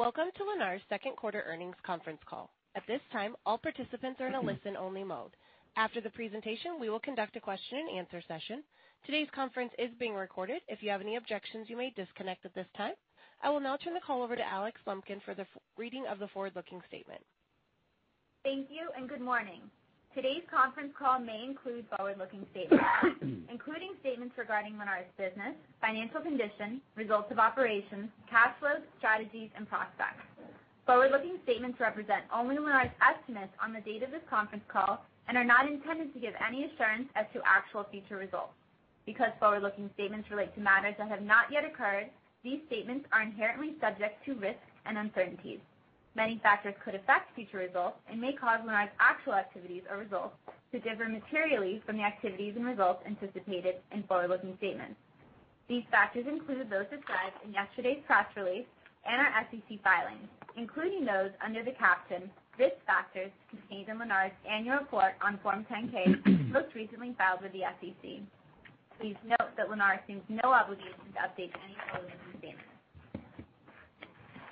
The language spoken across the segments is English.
Welcome to Lennar's second quarter earnings conference call. At this time, all participants are in a listen-only mode. After the presentation, we will conduct a question-and-answer session. Today's conference is being recorded. If you have any objections, you may disconnect at this time. I will now turn the call over to Alex Lumpkin for the reading of the forward-looking statement. Thank you and good morning. Today's conference call may include forward-looking statements, including statements regarding Lennar's business, financial condition, results of operations, cash flow, strategies, and prospects. Forward-looking statements represent only Lennar's estimates on the date of this conference call and are not intended to give any assurance as to actual future results. Because forward-looking statements relate to matters that have not yet occurred, these statements are inherently subject to risks and uncertainties. Many factors could affect future results and may cause Lennar's actual activities or results to differ materially from the activities and results anticipated in forward-looking statements. These factors include those described in yesterday's press release and our SEC filings, including those under the caption Risk Factors contained in Lennar's annual report on Form 10-K, most recently filed with the SEC. Please note that Lennar assumes no obligation to update any forward-looking statements.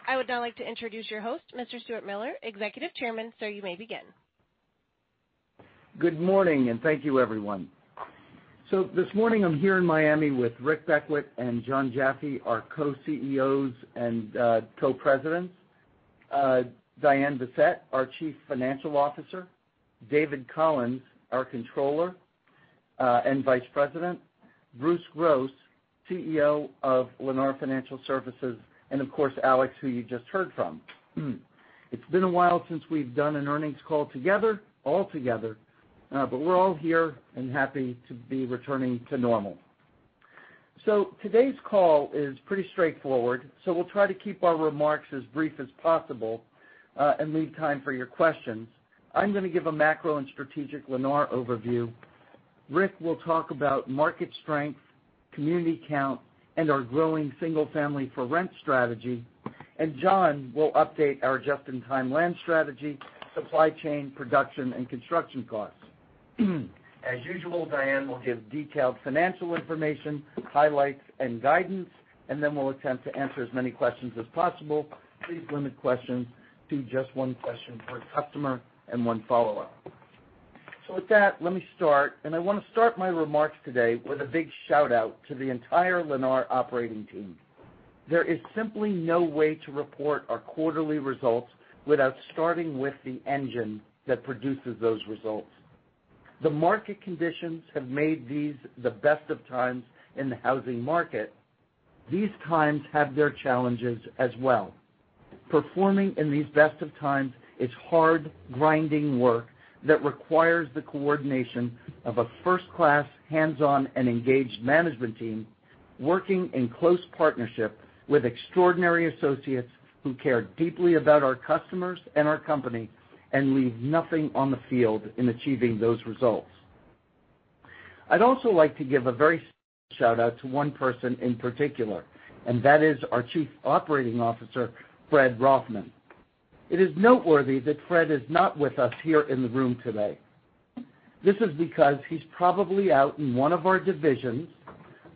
I would now like to introduce your host, Mr. Stuart Miller, Executive Chairman. Sir, you may begin. Good morning. Thank you, everyone. This morning, I'm here in Miami with Rick Beckwitt and Jon Jaffe, our Co-CEOs and Co-Presidents, Diane Bessette, our Chief Financial Officer, David Collins, our Controller and Vice President, Bruce Gross, CEO of Lennar Financial Services, and of course, Alex, who you just heard from. It's been a while since we've done an earnings call together, all together. We're all here and happy to be returning to normal. Today's call is pretty straightforward, so we'll try to keep our remarks as brief as possible, and leave time for your questions. I'm going to give a macro and strategic Lennar overview. Rick will talk about market strength, community count, and our growing single-family for rent strategy. Jon will update our just-in-time land strategy, supply chain, production, and construction costs. As usual, Diane will give detailed financial information, highlights, and guidance, and then we'll attempt to answer as many questions as possible. Please limit questions to just one question per customer and one follow-up. With that, let me start, and I want to start my remarks today with a big shout-out to the entire Lennar operating team. There is simply no way to report our quarterly results without starting with the engine that produces those results. The market conditions have made these the best of times in the housing market. These times have their challenges as well. Performing in these best of times is hard, grinding work that requires the coordination of a first-class, hands-on, and engaged management team working in close partnership with extraordinary associates who care deeply about our customers and our company and leave nothing on the field in achieving those results. I'd also like to give a very special shout-out to one person in particular, and that is our Chief Operating Officer, Fred Rothman. It is noteworthy that Fred is not with us here in the room today. This is because he's probably out in one of our divisions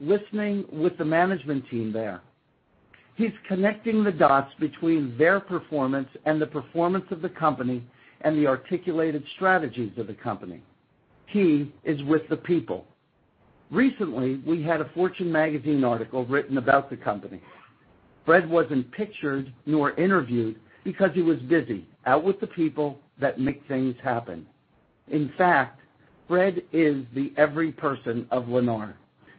listening with the management team there. He's connecting the dots between their performance and the performance of the company and the articulated strategies of the company. He is with the people. Recently, we had a Fortune magazine article written about the company. Fred wasn't pictured nor interviewed because he was busy out with the people that make things happen. In fact, Fred is the every person of Lennar.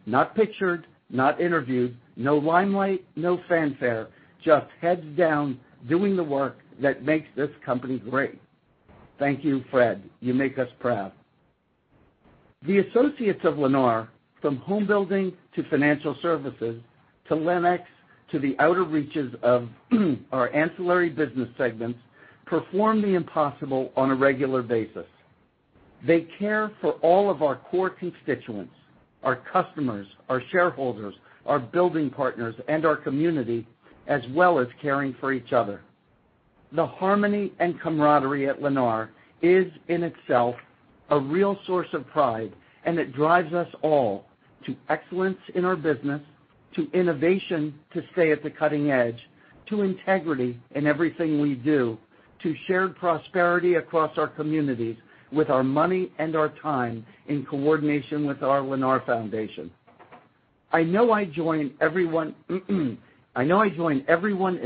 Not pictured, not interviewed, no limelight, no fanfare, just heads down doing the work that makes this company great. Thank you, Fred. You make us proud. The associates of Lennar, from home building to financial services to LenX to the outer reaches of our ancillary business segments, perform the impossible on a regular basis. They care for all of our core constituents, our customers, our shareholders, our building partners, and our community, as well as caring for each other. The harmony and camaraderie at Lennar is, in itself, a real source of pride, and it drives us all to excellence in our business, to innovation to stay at the cutting edge, to integrity in everything we do, to shared prosperity across our communities with our money and our time in coordination with our Lennar Foundation. I know I join everyone in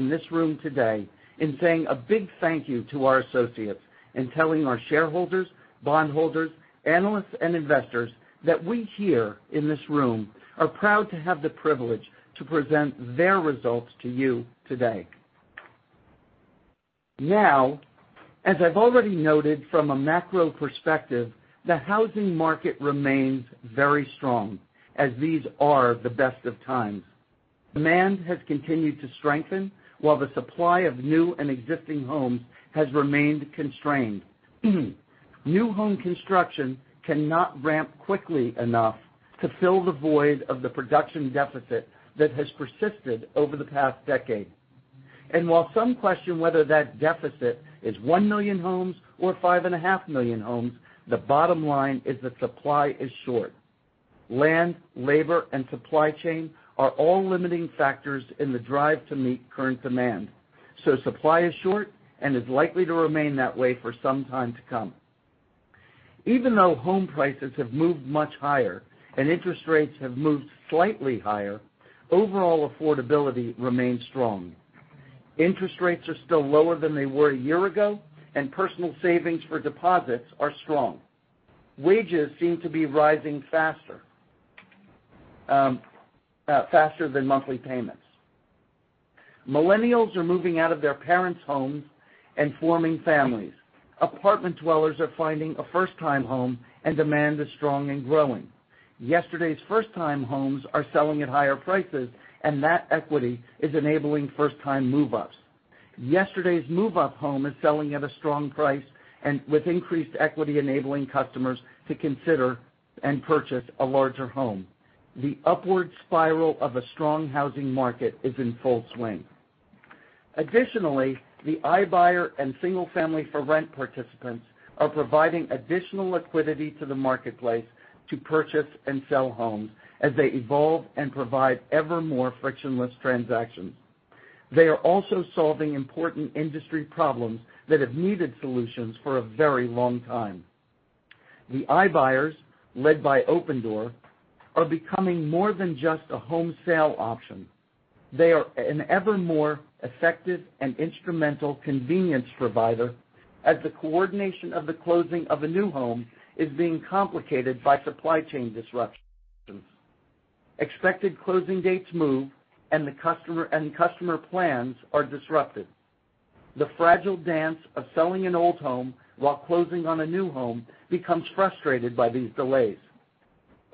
this room today in saying a big thank you to our associates and telling our shareholders, bondholders, analysts, and investors that we here in this room are proud to have the privilege to present their results to you today. As I've already noted from a macro perspective, the housing market remains very strong as these are the best of times. Demand has continued to strengthen while the supply of new and existing homes has remained constrained. New home construction cannot ramp quickly enough to fill the void of the production deficit that has persisted over the past decade. While some question whether that deficit is 1 million homes or 5.5 million homes, the bottom line is that supply is short. Land, labor, and supply chain are all limiting factors in the drive to meet current demand. Supply is short and is likely to remain that way for some time to come. Even though home prices have moved much higher and interest rates have moved slightly higher, overall affordability remains strong. Interest rates are still lower than they were a year ago, and personal savings for deposits are strong. Wages seem to be rising faster than monthly payments. Millennials are moving out of their parents' homes and forming families. Apartment dwellers are finding a first-time home, and demand is strong and growing. Yesterday's first-time homes are selling at higher prices, and that equity is enabling first-time move-ups. Yesterday's move-up home is selling at a strong price and with increased equity enabling customers to consider and purchase a larger home. The upward spiral of a strong housing market is in full swing. Additionally, the iBuyer and single-family for rent participants are providing additional liquidity to the marketplace to purchase and sell homes as they evolve and provide ever more frictionless transactions. They are also solving important industry problems that have needed solutions for a very long time. The iBuyers, led by Opendoor, are becoming more than just a home sale option. They are an ever more effective and instrumental convenience provider as the coordination of the closing of a new home is being complicated by supply chain disruptions. Expected closing dates move, and customer plans are disrupted. The fragile dance of selling an old home while closing on a new home becomes frustrated by these delays.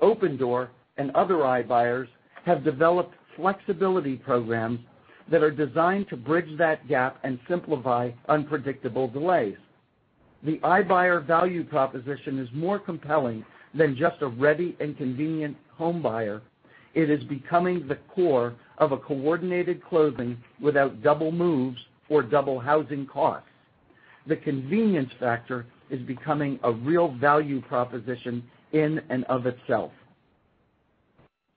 Opendoor and other iBuyers have developed flexibility programs that are designed to bridge that gap and simplify unpredictable delays. The iBuyer value proposition is more compelling than just a ready and convenient homebuyer. It is becoming the core of a coordinated closing without double moves or double housing costs. The convenience factor is becoming a real value proposition in and of itself.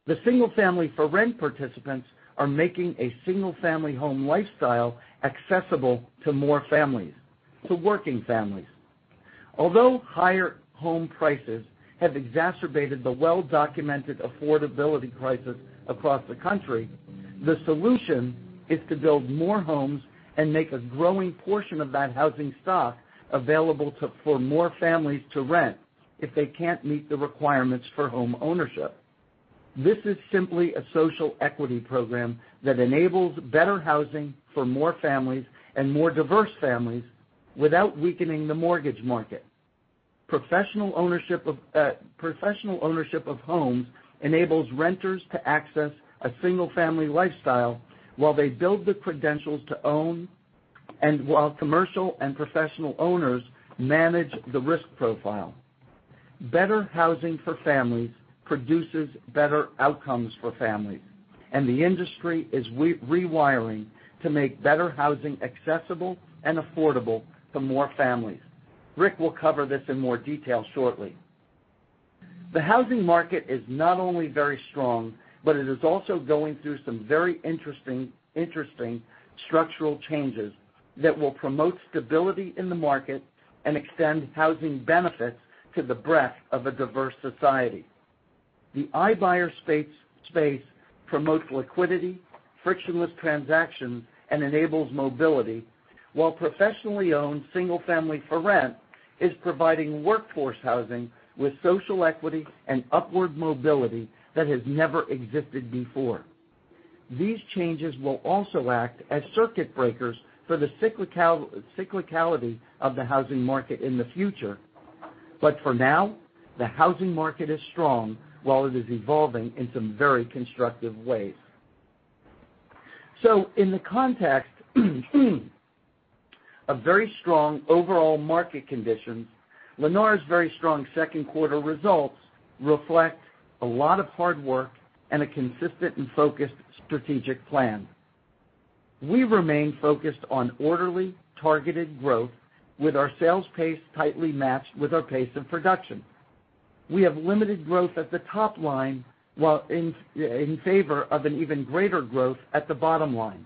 The single-family for rent participants are making a single-family home lifestyle accessible to more families, to working families. Although higher home prices have exacerbated the well-documented affordability crisis across the country, the solution is to build more homes and make a growing portion of that housing stock available for more families to rent if they can't meet the requirements for homeownership. This is simply a social equity program that enables better housing for more families and more diverse families without weakening the mortgage market. Professional ownership of homes enables renters to access a single-family lifestyle while they build the credentials to own and while commercial and professional owners manage the risk profile. Better housing for families produces better outcomes for families, and the industry is rewiring to make better housing accessible and affordable for more families. Rick will cover this in more detail shortly. The housing market is not only very strong, but it is also going through some very interesting structural changes that will promote stability in the market and extend housing benefits to the breadth of a diverse society. The iBuyer space promotes liquidity, frictionless transactions, and enables mobility, while professionally owned single-family for rent is providing workforce housing with social equity and upward mobility that has never existed before. These changes will also act as circuit breakers for the cyclicality of the housing market in the future. For now, the housing market is strong while it is evolving in some very constructive ways. In the context of very strong overall market conditions, Lennar's very strong second quarter results reflect a lot of hard work and a consistent and focused strategic plan. We remain focused on orderly, targeted growth with our sales pace tightly matched with our pace of production. We have limited growth at the top line in favor of an even greater growth at the bottom line.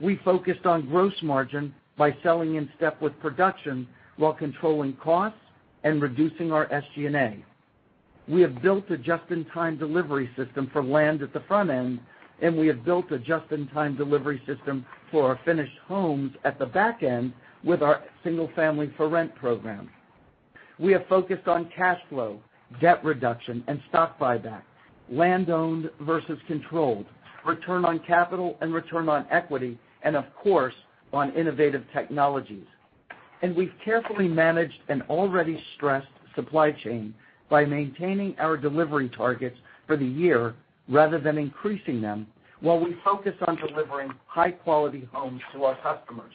We focused on gross margin by selling in step with production while controlling costs and reducing our SG&A. We have built a just-in-time delivery system for land at the front end, and we have built a just-in-time delivery system for our finished homes at the back end with our single-family for rent program. We have focused on cash flow, debt reduction, and stock buybacks, land owned versus controlled, return on capital and return on equity, and of course, on innovative technologies. We've carefully managed an already stressed supply chain by maintaining our delivery targets for the year rather than increasing them while we focus on delivering high-quality homes to our customers.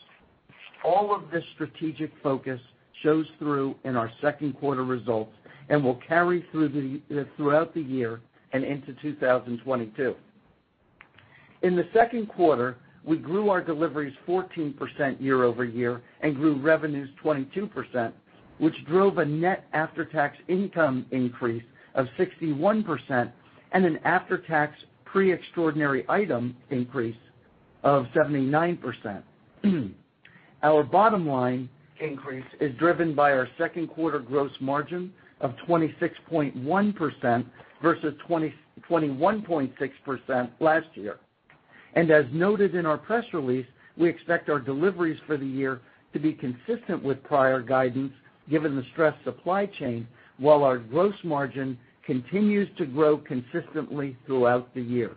All of this strategic focus shows through in our second quarter results and will carry throughout the year and into 2022. In the second quarter, we grew our deliveries 14% year-over-year and grew revenues 22%, which drove a net after-tax income increase of 61% and an after-tax pre-extraordinary item increase of 79%. Our bottom line increase is driven by our second quarter gross margin of 26.1% versus 21.6% last year. As noted in our press release, we expect our deliveries for the year to be consistent with prior guidance given the stressed supply chain, while our gross margin continues to grow consistently throughout the year.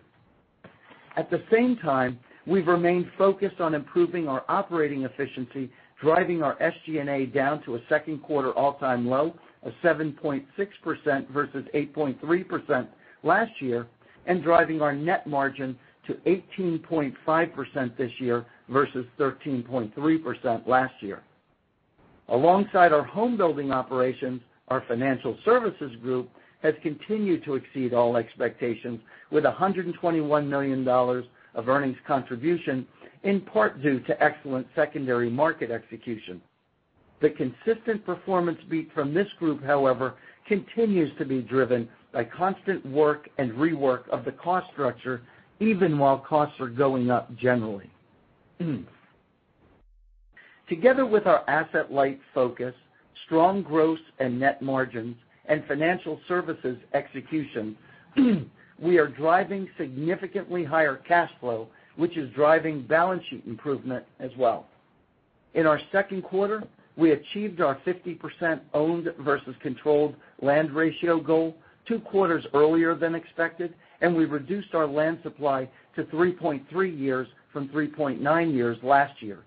At the same time, we've remained focused on improving our operating efficiency, driving our SG&A down to a second quarter all-time low of 7.6% versus 8.3% last year, and driving our net margin to 18.5% this year versus 13.3% last year. Alongside our homebuilding operations, our Financial Services group has continued to exceed all expectations with $121 million of earnings contribution, in part due to excellent secondary market execution. The consistent performance beat from this group, however, continues to be driven by constant work and rework of the cost structure, even while costs are going up generally. Together with our asset-light focus, strong gross and net margins, and financial services execution, we are driving significantly higher cash flow, which is driving balance sheet improvement as well. In our second quarter, we achieved our 50% owned versus controlled land ratio goal two quarters earlier than expected, and we reduced our land supply to 3.3 years from 3.9 years last year.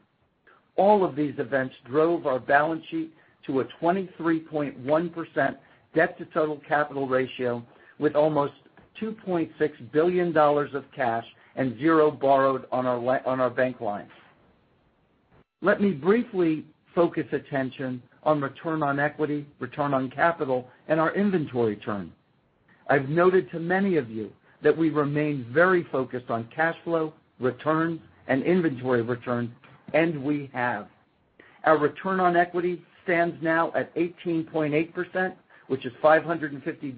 All of these events drove our balance sheet to a 23.1% debt to total capital ratio with almost $2.6 billion of cash and zero borrowed on our bank lines. Let me briefly focus attention on return on equity, return on capital, and our inventory turn. I've noted to many of you that we remain very focused on cash flow, returns, and inventory returns, and we have. Our return on equity stands now at 18.8%, which is a 550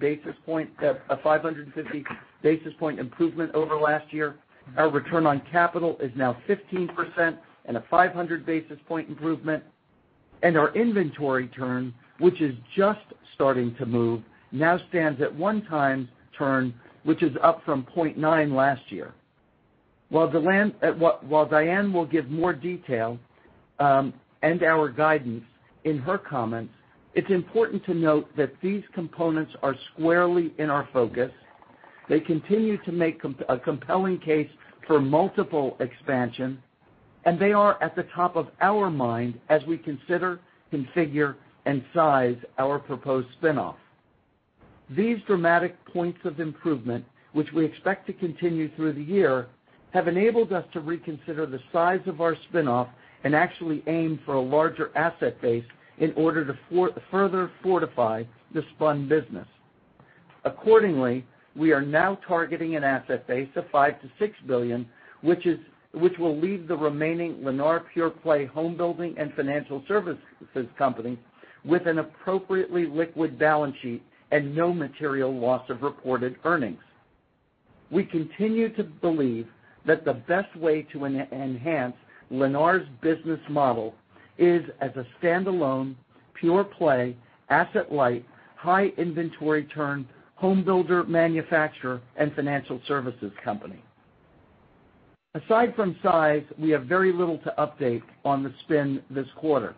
basis point improvement over last year. Our return on capital is now 15% and a 500 basis point improvement. Our inventory turn, which is just starting to move, now stands at one time turn, which is up from 0.9 last year. While Diane will give more detail and our guidance in her comments, it's important to note that these components are squarely in our focus. They continue to make a compelling case for multiple expansions, and they are at the top of our mind as we consider, configure, and size our proposed spinoff. These dramatic points of improvement, which we expect to continue through the year, have enabled us to reconsider the size of our spinoff and actually aim for a larger asset base in order to further fortify the spun business. Accordingly, we are now targeting an asset base of $5 billion-$6 billion, which will leave the remaining Lennar pure-play homebuilding and financial services company with an appropriately liquid balance sheet and no material loss of reported earnings. We continue to believe that the best way to enhance Lennar's business model is as a standalone, pure-play, asset-light, high inventory turn home builder, manufacturer, and financial services company. Aside from size, we have very little to update on the spin this quarter.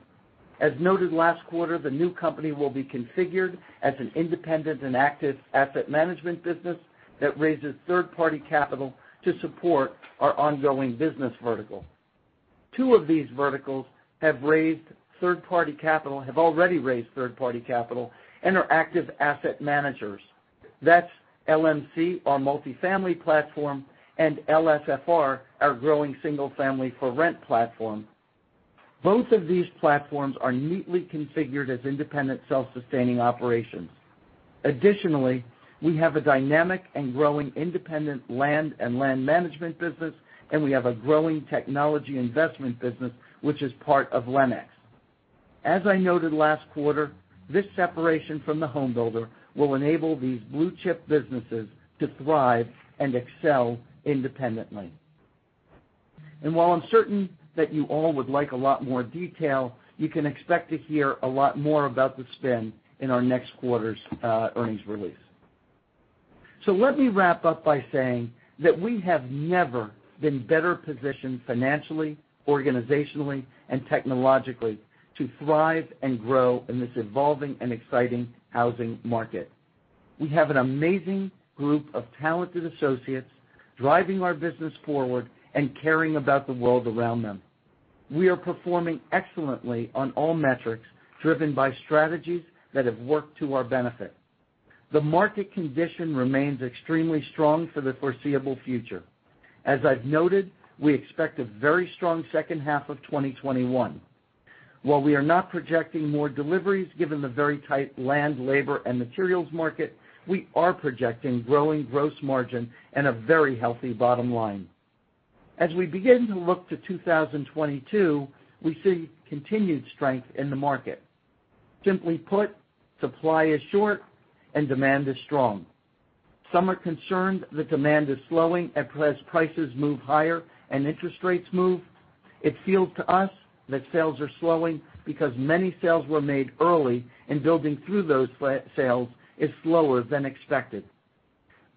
As noted last quarter, the new company will be configured as an independent and active asset management business that raises third-party capital to support our ongoing business vertical. Two of these verticals have already raised third-party capital and are active asset managers. That's LMC, our multifamily platform, and LSFR, our growing single-family for rent platform. Both of these platforms are neatly configured as independent, self-sustaining operations. Additionally, we have a dynamic and growing independent land and land management business, and we have a growing technology investment business, which is part of LenX. As I noted last quarter, this separation from the home builder will enable these blue-chip businesses to thrive and excel independently. While I'm certain that you all would like a lot more detail, you can expect to hear a lot more about the spin in our next quarter's earnings release. Let me wrap up by saying that we have never been better positioned financially, organizationally, and technologically to thrive and grow in this evolving and exciting housing market. We have an amazing group of talented associates driving our business forward and caring about the world around them. We are performing excellently on all metrics driven by strategies that have worked to our benefit. The market condition remains extremely strong for the foreseeable future. As I've noted, we expect a very strong second half of 2021. While we are not projecting more deliveries given the very tight land, labor, and materials market, we are projecting growing gross margin and a very healthy bottom line. As we begin to look to 2022, we see continued strength in the market. Simply put, supply is short and demand is strong. Some are concerned that demand is slowing as prices move higher and interest rates move. It feels to us that sales are slowing because many sales were made early, and building through those sales is slower than expected.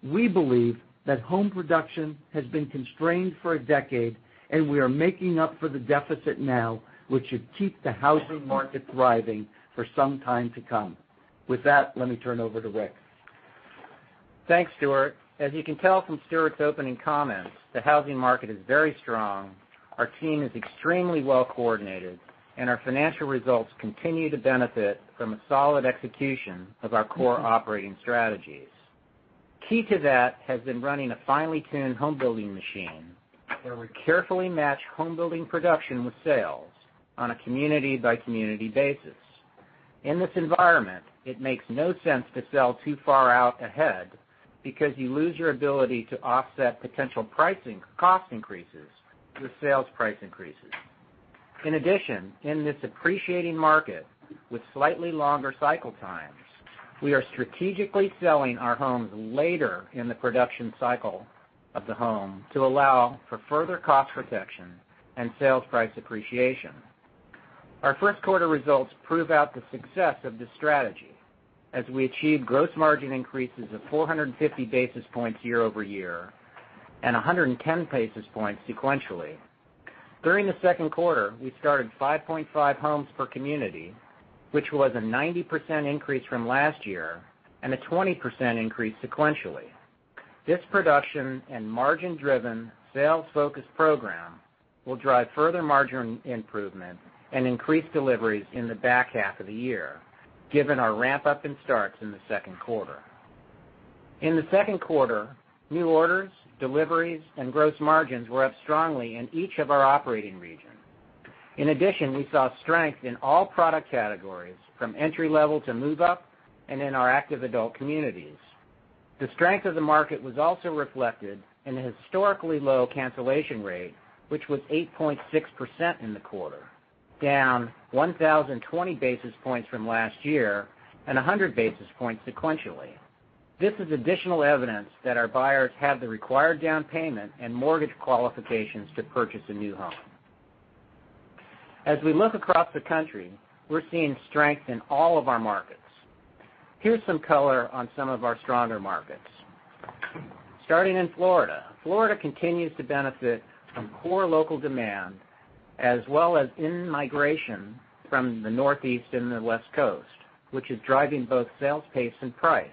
We believe that home production has been constrained for a decade, and we are making up for the deficit now, which should keep the housing market thriving for some time to come. With that, let me turn over to Rick. Thanks, Stuart. As you can tell from Stuart's opening comments, the housing market is very strong, our team is extremely well-coordinated, and our financial results continue to benefit from a solid execution of our core operating strategies. Key to that has been running a finely tuned home building machine where we carefully match home building production with sales on a community-by-community basis. In this environment, it makes no sense to sell too far out ahead because you lose your ability to offset potential pricing cost increases with sales price increases. In addition, in this appreciating market with slightly longer cycle times, we are strategically selling our homes later in the production cycle of the home to allow for further cost protection and sales price appreciation. Our first quarter results prove out the success of this strategy as we achieve gross margin increases of 450 basis points year-over-year and 110 basis points sequentially. During the second quarter, we started 5.5 homes per community, which was a 90% increase from last year and a 20% increase sequentially. This production and margin-driven, sales-focused program will drive further margin improvement and increase deliveries in the back half of the year, given our ramp-up in starts in the second quarter. In the second quarter, new orders, deliveries, and gross margins were up strongly in each of our operating regions. In addition, we saw strength in all product categories from entry-level to move-up and in our active adult communities. The strength of the market was also reflected in a historically low cancellation rate, which was 8.6% in the quarter, down 1,020 basis points from last year and 100 basis points sequentially. This is additional evidence that our buyers have the required down payment and mortgage qualifications to purchase a new home. As we look across the country, we're seeing strength in all of our markets. Here's some color on some of our stronger markets. Starting in Florida continues to benefit from core local demand, as well as in-migration from the Northeast and the West Coast, which is driving both sales pace and price.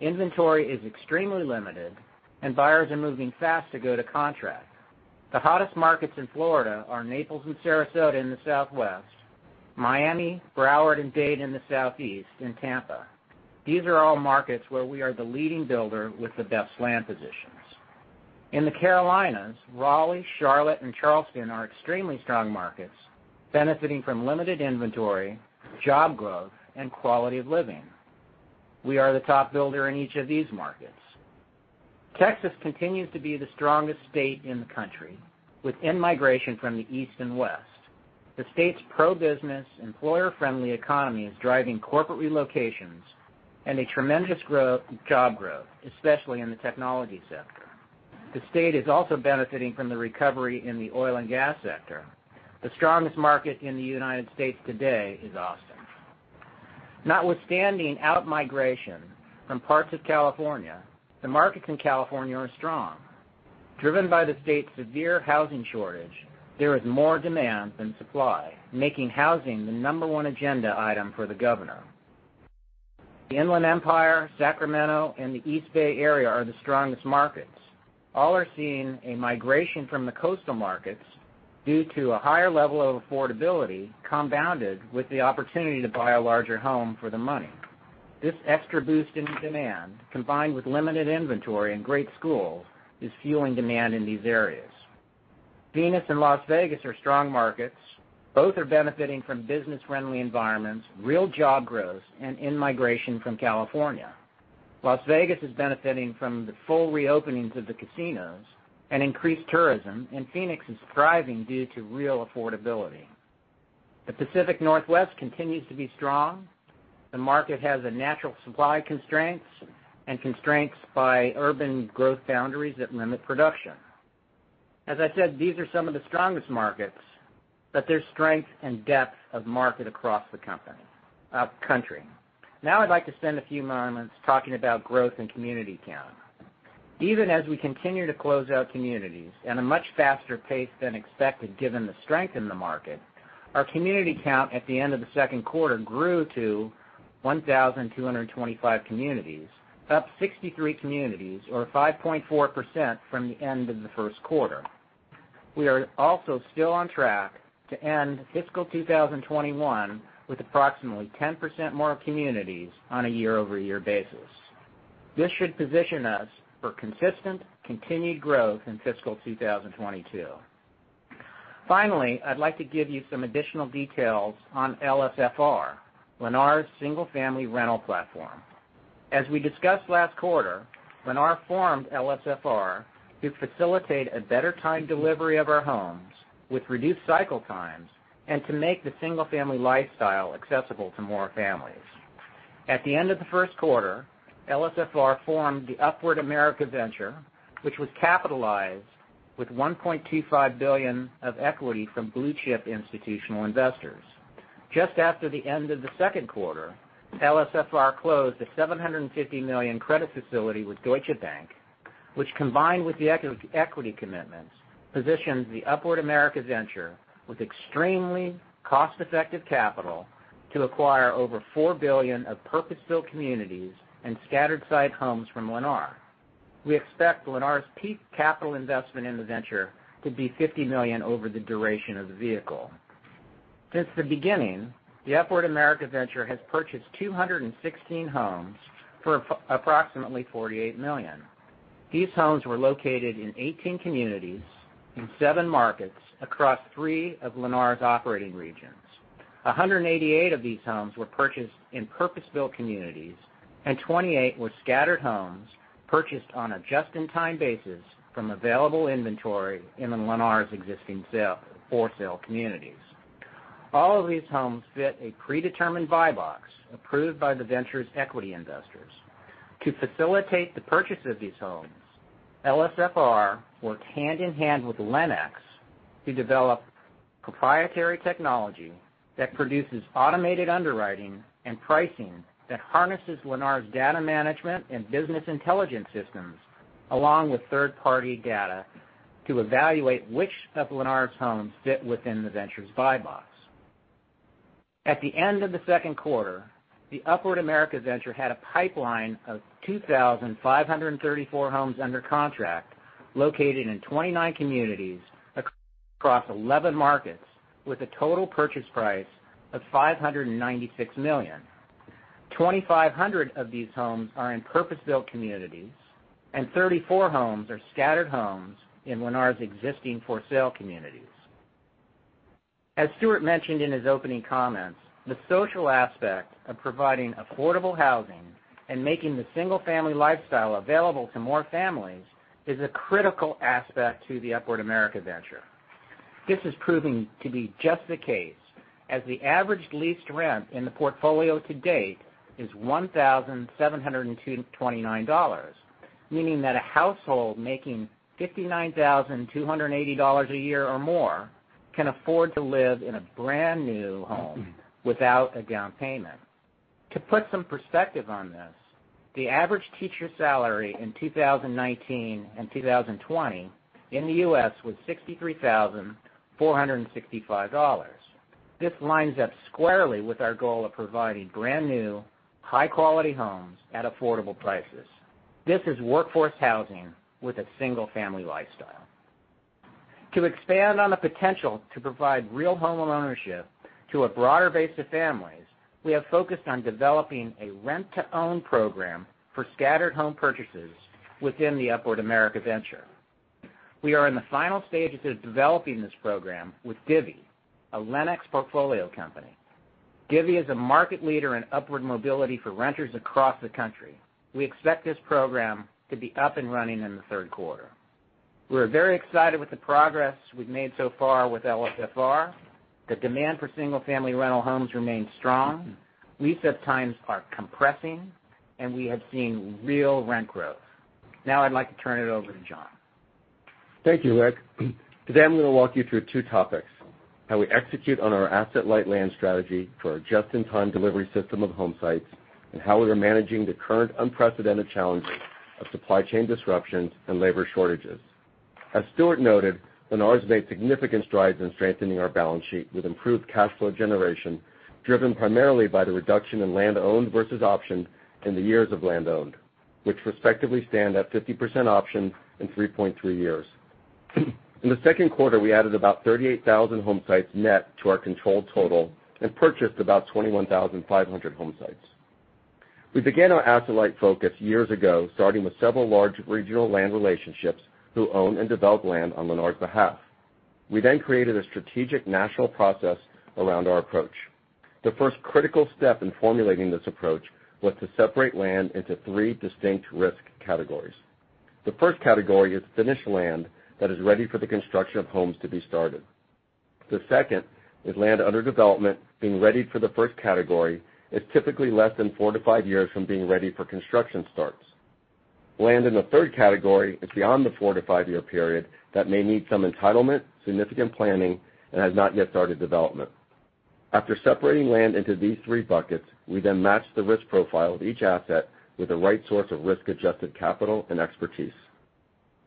Inventory is extremely limited, and buyers are moving fast to go to contract. The hottest markets in Florida are Naples and Sarasota in the southwest, Miami, Broward, and Dade in the southeast, and Tampa. These are all markets where we are the leading builder with the best land positions. In the Carolinas, Raleigh, Charlotte, and Charleston are extremely strong markets benefiting from limited inventory, job growth, and quality of living. We are the top builder in each of these markets. Texas continues to be the strongest state in the country, with in-migration from the East and West. The state's pro-business, employer-friendly economy is driving corporate relocations and a tremendous job growth, especially in the technology sector. The state is also benefiting from the recovery in the oil and gas sector. The strongest market in the United States today is Austin. Notwithstanding outmigration from parts of California, the markets in California are strong. Driven by the state's severe housing shortage, there is more demand than supply, making housing the number one agenda item for the governor. The Inland Empire, Sacramento, and the East Bay Area are the strongest markets. All are seeing a migration from the coastal markets due to a higher level of affordability, compounded with the opportunity to buy a larger home for the money. This extra boost in demand, combined with limited inventory and great schools, is fueling demand in these areas. Phoenix and Las Vegas are strong markets. Both are benefiting from business-friendly environments, real job growth, and in-migration from California. Las Vegas is benefiting from the full reopenings of the casinos and increased tourism, and Phoenix is thriving due to real affordability. The Pacific Northwest continues to be strong. The market has natural supply constraints and constraints by urban growth boundaries that limit production. As I said, these are some of the strongest markets, but there's strength and depth of market across the country. Now I'd like to spend a few moments talking about growth in community count. Even as we continue to close out communities at a much faster pace than expected given the strength in the market, our community count at the end of the second quarter grew to 1,225 communities, up 63 communities or 5.4% from the end of the first quarter. We are also still on track to end fiscal 2021 with approximately 10% more communities on a year-over-year basis. This should position us for consistent continued growth in fiscal 2022. Finally, I'd like to give you some additional details on LSFR, Lennar's single family rental platform. As we discussed last quarter, Lennar formed LSFR to facilitate a better time delivery of our homes with reduced cycle times and to make the single family lifestyle accessible to more families. At the end of the first quarter, LSFR formed the Upward America Venture, which was capitalized with $1.25 billion of equity from blue chip institutional investors. Just after the end of the second quarter, LSFR closed a $750 million credit facility with Deutsche Bank, which, combined with the equity commitments, positions the Upward America Venture with extremely cost-effective capital to acquire over $4 billion of purpose-built communities and scattered site homes from Lennar. We expect Lennar's peak capital investment in the venture to be $50 million over the duration of the vehicle. Since the beginning, the Upward America Venture has purchased 216 homes for approximately $48 million. These homes were located in 18 communities in seven markets across three of Lennar's operating regions. 188 of these homes were purchased in purpose-built communities, and 28 were scattered homes purchased on a just-in-time basis from available inventory in Lennar's existing for sale communities. All of these homes fit a predetermined buy box approved by the venture's equity investors. To facilitate the purchase of these homes, LSFR worked hand-in-hand with LenX to develop proprietary technology that produces automated underwriting and pricing that harnesses Lennar's data management and business intelligence systems, along with third-party data, to evaluate which of Lennar's homes fit within the venture's buy box. At the end of the second quarter, the Upward America Venture had a pipeline of 2,534 homes under contract, located in 29 communities across 11 markets, with a total purchase price of $596 million. 2,500 of these homes are in purpose-built communities, and 34 homes are scattered homes in Lennar's existing for sale communities. As Stuart mentioned in his opening comments, the social aspect of providing affordable housing and making the single family lifestyle available to more families is a critical aspect to the Upward America Venture. This is proving to be just the case, as the average leased rent in the portfolio to date is $1,729, meaning that a household making $59,280 a year or more can afford to live in a brand new home without a down payment. To put some perspective on this, the average teacher salary in 2019 and 2020 in the U.S. was $63,465. This lines up squarely with our goal of providing brand new, high-quality homes at affordable prices. This is workforce housing with a single family lifestyle. To expand on the potential to provide real homeownership to a broader base of families, we have focused on developing a rent to own program for scattered home purchases within the Upward America Venture. We are in the final stages of developing this program with Divvy, a LenX portfolio company. Divvy is a market leader in upward mobility for renters across the country. We expect this program to be up and running in the third quarter. We are very excited with the progress we've made so far with LSFR. The demand for single family rental homes remains strong. Lease times are compressing, and we have seen real rent growth. I'd like to turn it over to Jon. Thank you, Rick. Today I am going to walk you through two topics: how we execute on our asset light land strategy for our just-in-time delivery system of homesites, and how we are managing the current unprecedented challenges of supply chain disruptions and labor shortages. As Stuart noted, Lennar has made significant strides in strengthening our balance sheet with improved cash flow generation, driven primarily by the reduction in land owned versus option in the years of land owned, which respectively stand at 50% option and 3.3 years. In the second quarter, we added about 38,000 homesites net to our controlled total and purchased about 21,500 homesites. We began our asset light focus years ago, starting with several large regional land relationships who own and develop land on Lennar's behalf. We created a strategic national process around our approach. The first critical step in formulating this approach was to separate land into three distinct risk categories. The first category is finished land that is ready for the construction of homes to be started. The second is land under development being readied for the first category, is typically less than four to five years from being ready for construction starts. Land in the third category is beyond the four to five year period that may need some entitlement, significant planning, and has not yet started development. After separating land into these three buckets, we then match the risk profile of each asset with the right source of risk-adjusted capital and expertise.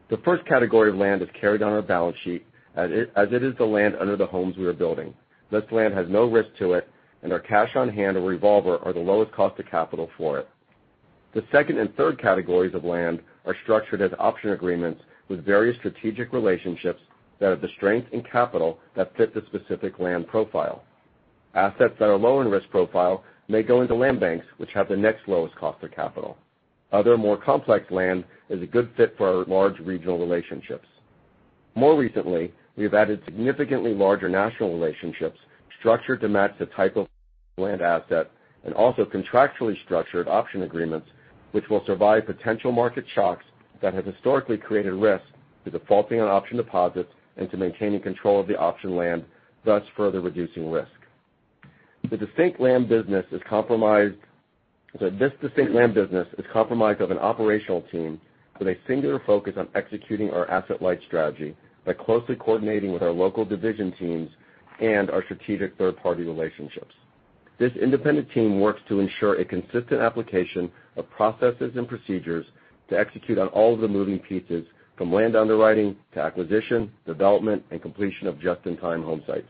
The first category of land is carried on our balance sheet as it is the land under the homes we are building. This land has no risk to it, and our cash on hand or revolver are the lowest cost of capital for it. The second and third categories of land are structured as option agreements with various strategic relationships that have the strength and capital that fit the specific land profile. Assets that are low in risk profile may go into land banks, which have the next lowest cost of capital. Other more complex land is a good fit for our large regional relationships. More recently, we've added significantly larger national relationships structured to match the type of land asset, and also contractually structured option agreements which will survive potential market shocks that have historically created risk through defaulting on option deposits and to maintaining control of the option land, thus further reducing risk. This distinct land business is comprised of an operational team with a singular focus on executing our asset-light strategy by closely coordinating with our local division teams and our strategic third-party relationships. This independent team works to ensure a consistent application of processes and procedures to execute on all of the moving pieces, from land underwriting to acquisition, development, and completion of just-in-time home sites.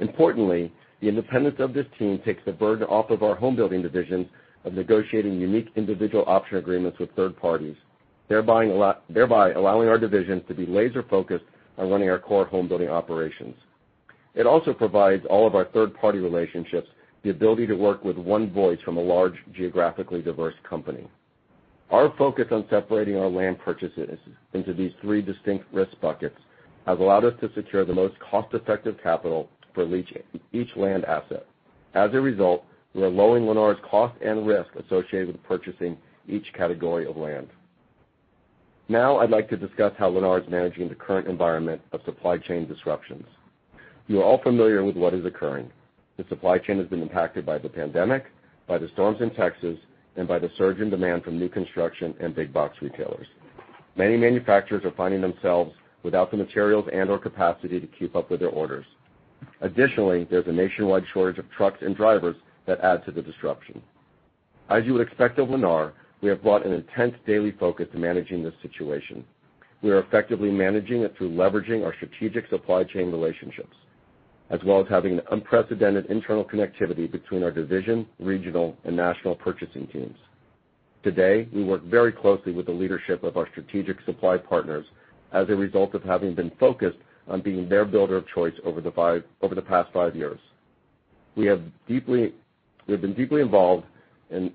Importantly, the independence of this team takes the burden off of our home building division of negotiating unique individual option agreements with third parties, thereby allowing our division to be laser-focused on running our core home building operations. It also provides all of our third-party relationships the ability to work with one voice from a large geographically diverse company. Our focus on separating our land purchases into these three distinct risk buckets has allowed us to secure the most cost-effective capital for each land asset. As a result, we are lowering Lennar's cost and risk associated with purchasing each category of land. I'd like to discuss how Lennar is managing the current environment of supply chain disruptions. You are all familiar with what is occurring. The supply chain has been impacted by the pandemic, by the storms in Texas, and by the surge in demand for new construction and big box retailers. Many manufacturers are finding themselves without the materials and/or capacity to keep up with their orders. There's a nationwide shortage of trucks and drivers that add to the disruption. As you expect of Lennar, we have brought an intense daily focus to managing this situation. We are effectively managing it through leveraging our strategic supply chain relationships, as well as having unprecedented internal connectivity between our division, regional, and national purchasing teams. Today, we work very closely with the leadership of our strategic supply partners as a result of having been focused on being their builder of choice over the past five years. We have been deeply involved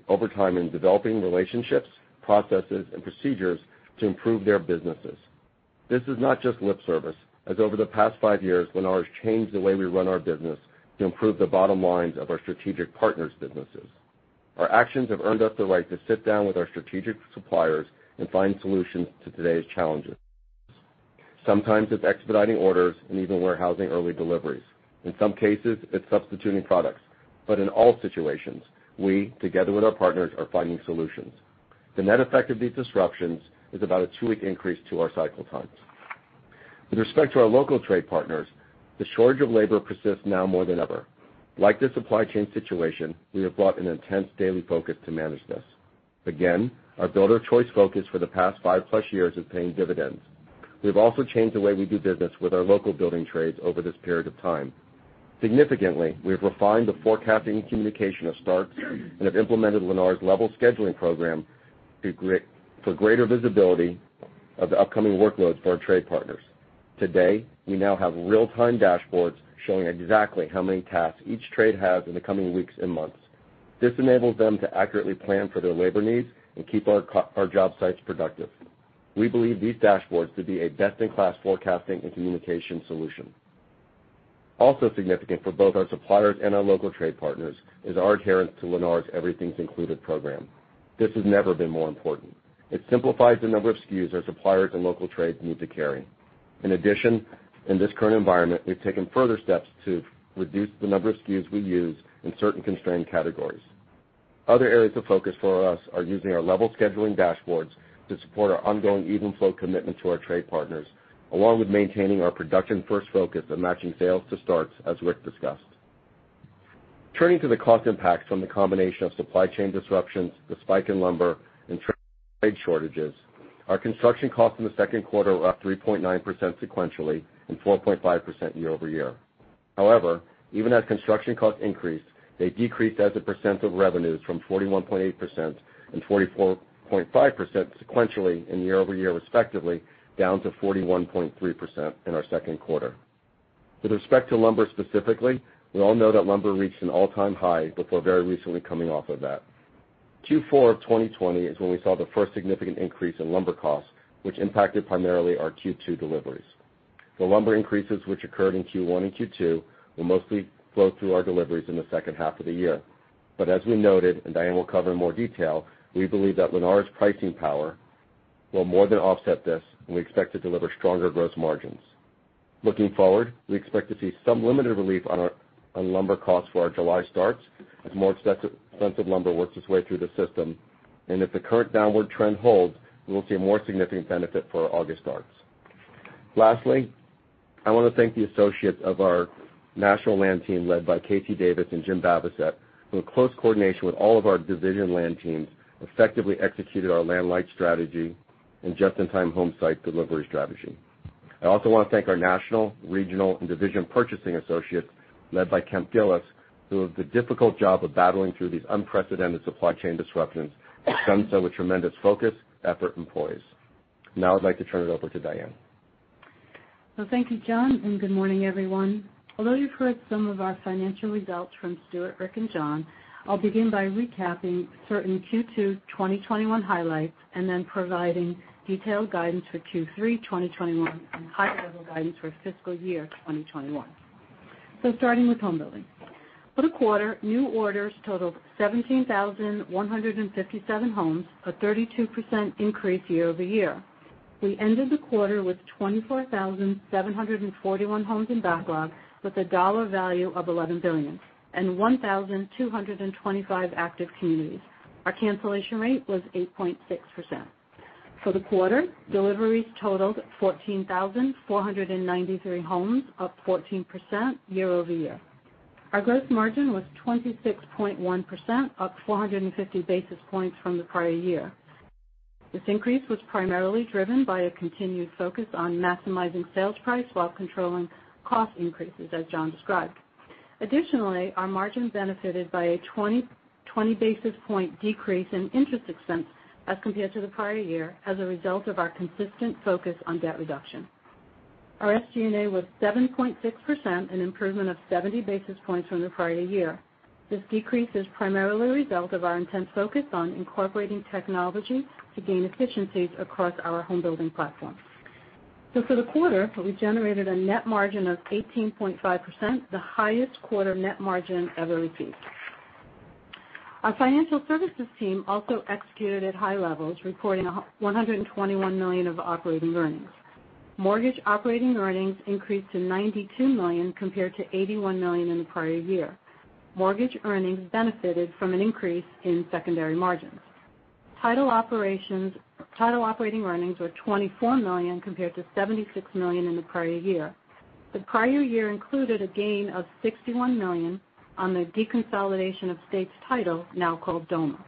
over time in developing relationships, processes, and procedures to improve their businesses. This is not just lip service, as over the past five years, Lennar has changed the way we run our business to improve the bottom lines of our strategic partners' businesses. Our actions have earned us the right to sit down with our strategic suppliers and find solutions to today's challenges. Sometimes it's expediting orders and even warehousing early deliveries. In some cases, it's substituting products. In all situations, we, together with our partners, are finding solutions. The net effect of these disruptions is about a two-week increase to our cycle times. With respect to our local trade partners, the shortage of labor persists now more than ever. Like the supply chain situation, we have brought an intense daily focus to manage this. Again, our builder choice focus for the past five plus years is paying dividends. We've also changed the way we do business with our local building trades over this period of time. Significantly, we have refined the forecasting and communication of starts and have implemented Lennar's level scheduling program for greater visibility of the upcoming workload for our trade partners. Today, we now have real-time dashboards showing exactly how many tasks each trade has in the coming weeks and months. This enables them to accurately plan for their labor needs and keep our job sites productive. We believe these dashboards to be a best-in-class forecasting and communication solution. Also significant for both our suppliers and our local trade partners is our adherence to Lennar's Everything's Included program. This has never been more important. It simplifies the number of SKUs our suppliers and local trades need to carry. In addition, in this current environment, we've taken further steps to reduce the number of SKUs we use in certain constrained categories. Other areas of focus for us are using our level scheduling dashboards to support our ongoing even flow commitment to our trade partners, along with maintaining our production first focus and matching sales to starts, as Rick discussed. Turning to the cost impacts from the combination of supply chain disruptions, the spike in lumber, and trade shortages, our construction costs in the second quarter were up 3.9% sequentially and 4.5% year-over-year. However, even as construction costs increased, they decreased as a percent of revenues from 41.8% and 44.5% sequentially and year-over-year respectively, down to 41.3% in our second quarter. With respect to lumber specifically, we all know that lumber reached an all-time high before very recently coming off of that. Q4 of 2020 is when we saw the first significant increase in lumber costs, which impacted primarily our Q2 deliveries. The lumber increases which occurred in Q1 and Q2 will mostly flow through our deliveries in the second half of the year. As we noted, and Diane will cover in more detail, we believe that Lennar's pricing power will more than offset this, and we expect to deliver stronger gross margins. Looking forward, we expect to see some limited relief on lumber costs for our July starts as more expensive lumber works its way through the system. If the current downward trend holds, we will see a more significant benefit for our August starts. Lastly, I want to thank the associates of our national land team, led by Casey Davis and Jim Bavouset, who in close coordination with all of our division land teams, effectively executed our land light strategy and just-in-time home site delivery strategy. I also want to thank our national, regional, and division purchasing associates, led by Kemp Gillis, who have the difficult job of battling through these unprecedented supply chain disruptions with tremendous focus, effort, and poise. I'd like to turn it over to Diane. Thank you, Jon, good morning, everyone. Although you've heard some of our financial results from Stuart, Rick, and Jon, I'll begin by recapping certain Q2 2021 highlights and then providing detailed guidance for Q3 2021 and high-level guidance for fiscal year 2021. Starting with home building. For the quarter, new orders totaled 17,157 homes, a 32% increase year-over-year. We ended the quarter with 24,741 homes in backlog, with a dollar value of $11 billion and 1,225 active communities. Our cancellation rate was 8.6%. For the quarter, deliveries totaled 14,493 homes, up 14% year-over-year. Our gross margin was 26.1%, up 450 basis points from the prior year. This increase was primarily driven by a continued focus on maximizing sales price while controlling cost increases, as Jon described. Additionally, our margin benefited by a 20 basis point decrease in interest expense as compared to the prior year as a result of our consistent focus on debt reduction. Our SG&A was 7.6%, an improvement of 70 basis points from the prior year. This decrease is primarily a result of our intense focus on incorporating technology to gain efficiencies across our home building platforms. For the quarter, we generated a net margin of 18.5%, the highest quarter net margin ever achieved. Our financial services team also executed at high levels, reporting $121 million of operating earnings. Mortgage operating earnings increased to $92 million compared to $81 million in the prior year. Mortgage earnings benefited from an increase in secondary margins. Title operating earnings were $24 million compared to $76 million in the prior year. The prior year included a gain of $61 million on the deconsolidation of States Title, now called Doma.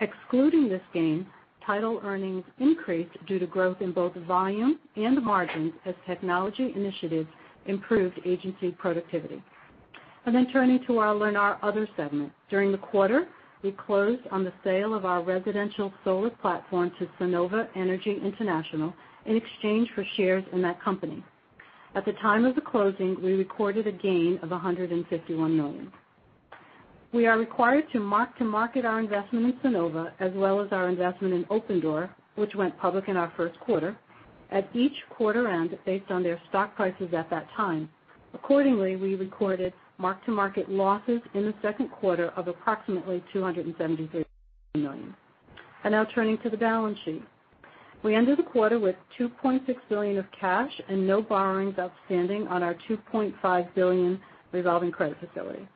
Excluding this gain, title earnings increased due to growth in both volume and margins as technology initiatives improved agency productivity. Turning to our Lennar Other Segment. During the quarter, we closed on the sale of our residential solar platform to Sunnova Energy International in exchange for shares in that company. At the time of the closing, we recorded a gain of $151 million. We are required to mark to market our investment in Sunnova, as well as our investment in Opendoor, which went public in our first quarter, at each quarter end based on their stock prices at that time. Accordingly, we recorded mark-to-market losses in the second quarter of approximately $273 million. Turning to the balance sheet. We ended the quarter with $2.6 billion of cash and no borrowings outstanding on our $2.5 billion revolving credit facility.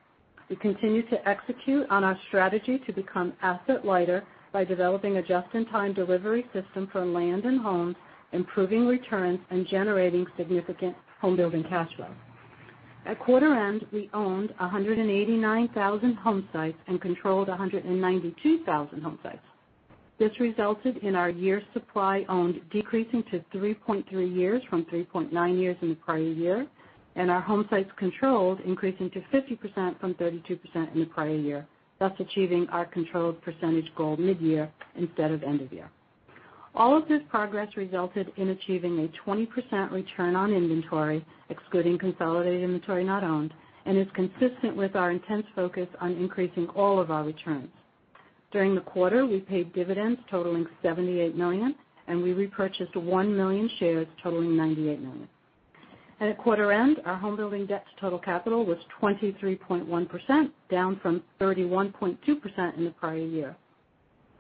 We continue to execute on our strategy to become asset-lighter by developing a just-in-time delivery system for land and homes, improving returns, and generating significant home building cash flow. At quarter end, we owned 189,000 homesites and controlled 192,000 homesites. This resulted in our year supply owned decreasing to 3.3 years from 3.9 years in the prior year, and our homesites controlled increasing to 50% from 32% in the prior year, thus achieving our controlled percentage goal mid-year instead of end-of-year. All of this progress resulted in achieving a 20% return on inventory, excluding consolidated inventory not owned, and is consistent with our intense focus on increasing all of our returns. During the quarter, we paid dividends totaling $78 million, and we repurchased 1 million shares totaling $98 million. At quarter end, our home building debt to total capital was 23.1%, down from 31.2% in the prior year.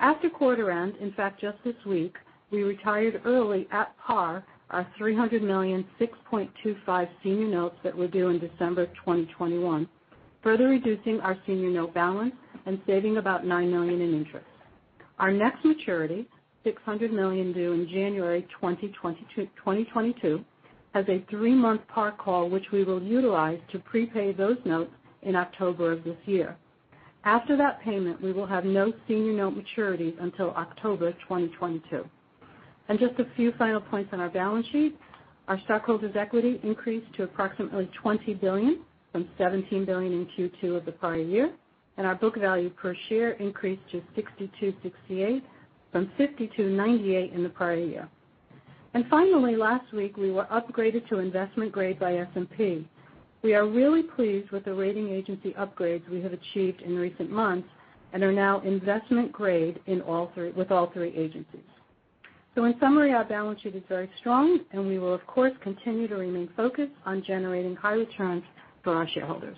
After quarter end, in fact, just this week, we retired early at par our $300 million 6.25 senior notes that were due in December 2021, further reducing our senior note balance and saving about $9 million in interest. Our next maturity, $600 million due in January 2022, has a three-month par call, which we will utilize to prepay those notes in October of this year. After that payment, we will have no senior note maturities until October 2022. Just a few final points on our balance sheet. Our stockholders' equity increased to approximately $20 billion from $17 billion in Q2 of the prior year, and our book value per share increased to $62.68 from $52.98 in the prior year. Finally, last week, we were upgraded to investment grade by S&P. We are really pleased with the rating agency upgrades we have achieved in recent months and are now investment grade with all three agencies. In summary, our balance sheet is very strong, and we will of course continue to remain focused on generating high returns for our shareholders.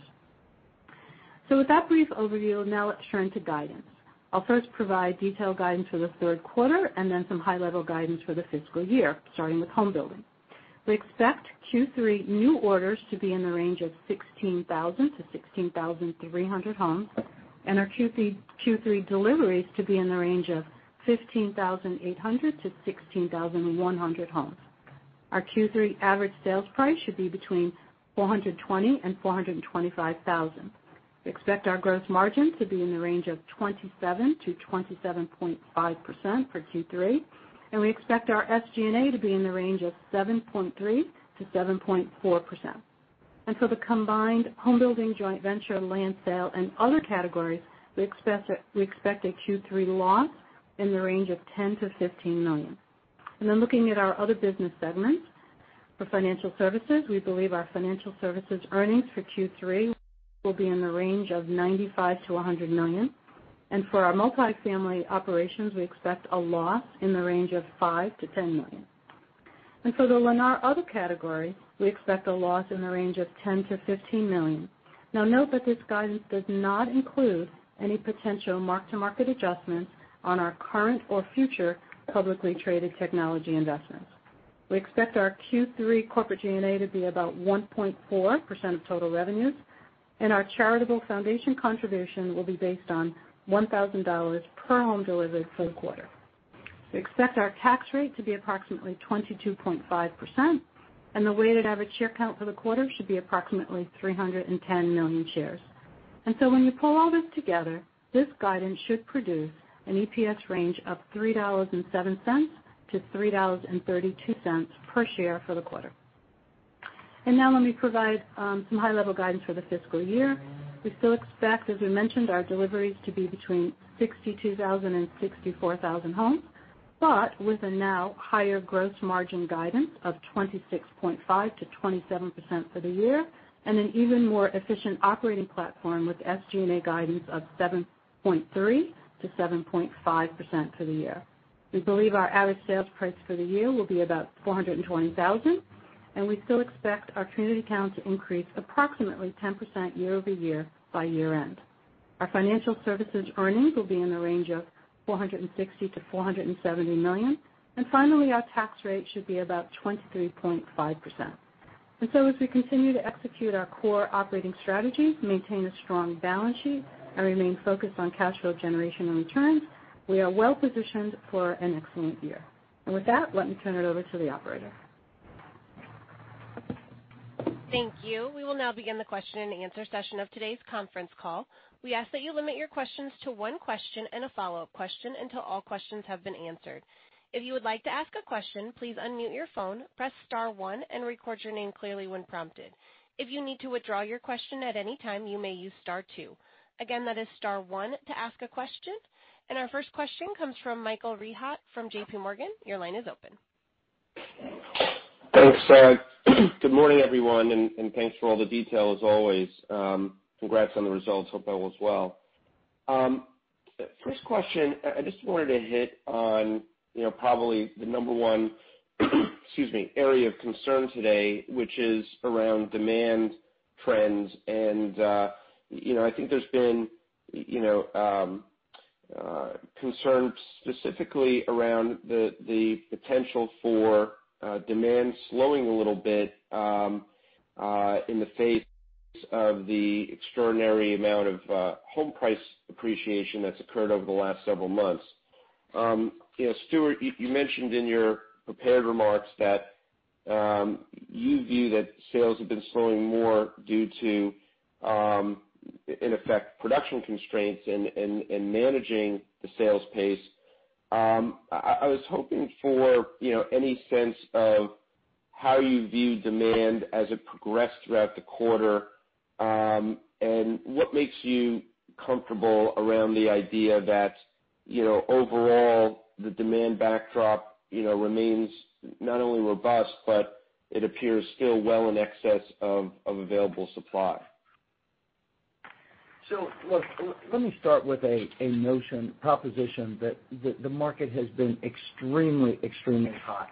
With that brief overview, now let's turn to guidance. I'll first provide detailed guidance for the third quarter and then some high-level guidance for the fiscal year, starting with home building. We expect Q3 new orders to be in the range of 16,000-16,300 homes, and our Q3 deliveries to be in the range of 15,800-16,100 homes. Our Q3 average sales price should be between $420,000 and $425,000. We expect our gross margin to be in the range of 27%-27.5% for Q3, and we expect our SG&A to be in the range of 7.3%-7.4%. The combined homebuilding joint venture, land sale, and other categories, we expect a Q3 loss in the range of $10 million-$15 million. Looking at our other business segments. For financial services, we believe our financial services earnings for Q3 will be in the range of $95 million-$100 million. For our multifamily operations, we expect a loss in the range of $5 million-$10 million. The Lennar other category, we expect a loss in the range of $10 million-$15 million. Now note that this guidance does not include any potential mark-to-market adjustments on our current or future publicly traded technology investments. We expect our Q3 corporate G&A to be about 1.4% of total revenues, and our charitable foundation contribution will be based on $1,000 per home delivered full quarter. We expect our tax rate to be approximately 22.5%, and the weighted average share count for the quarter should be approximately 310 million shares. When you pull all this together, this guidance should produce an EPS range of $3.07 to $3.32 per share for the quarter. Now let me provide some high-level guidance for the fiscal year. We still expect, as we mentioned, our deliveries to be between 62,000 and 64,000 homes, but with a now higher gross margin guidance of 26.5% to 27% for the year, and an even more efficient operating platform with SG&A guidance of 7.3% to 7.5% for the year. We believe our average sales price for the year will be about $420,000, and we still expect our community count to increase approximately 10% year-over-year by year-end. Our Lennar Financial Services earnings will be in the range of $460 million-$470 million. Finally, our tax rate should be about 23.5%. As we continue to execute our core operating strategies, maintain a strong balance sheet, and remain focused on cash flow generation and returns, we are well-positioned for an excellent year. With that, let me turn it over to the operator. Thank you. We will now begin the question-and-answer session of today's conference call. We ask that you limit your questions to one question and a follow-up question until all questions have been answered. If you would like to ask a question, please unmute your phone, press star one and record your name clearly when prompted. If you need to withdraw your question at any time, you may use star two. Again, that is star one to ask a question. Our first question comes from Michael Rehaut from JPMorgan. Your line is open. Thanks, Sara. Good morning, everyone, and thanks for all the detail as always. Congrats on the results, Hope, as well. First question, I just wanted to hit on probably the number one area of concern today, which is around demand trends. I think there's been concern specifically around the potential for demand slowing a little bit in the face of the extraordinary amount of home price appreciation that's occurred over the last several months. Stuart, you mentioned in your prepared remarks that you view that sales have been slowing more due to, in effect, production constraints and managing the sales pace. I was hoping for any sense of how you view demand as it progressed throughout the quarter, and what makes you comfortable around the idea that overall the demand backdrop remains not only robust, but it appears still well in excess of available supply. Look, let me start with a notion, proposition that the market has been extremely hot.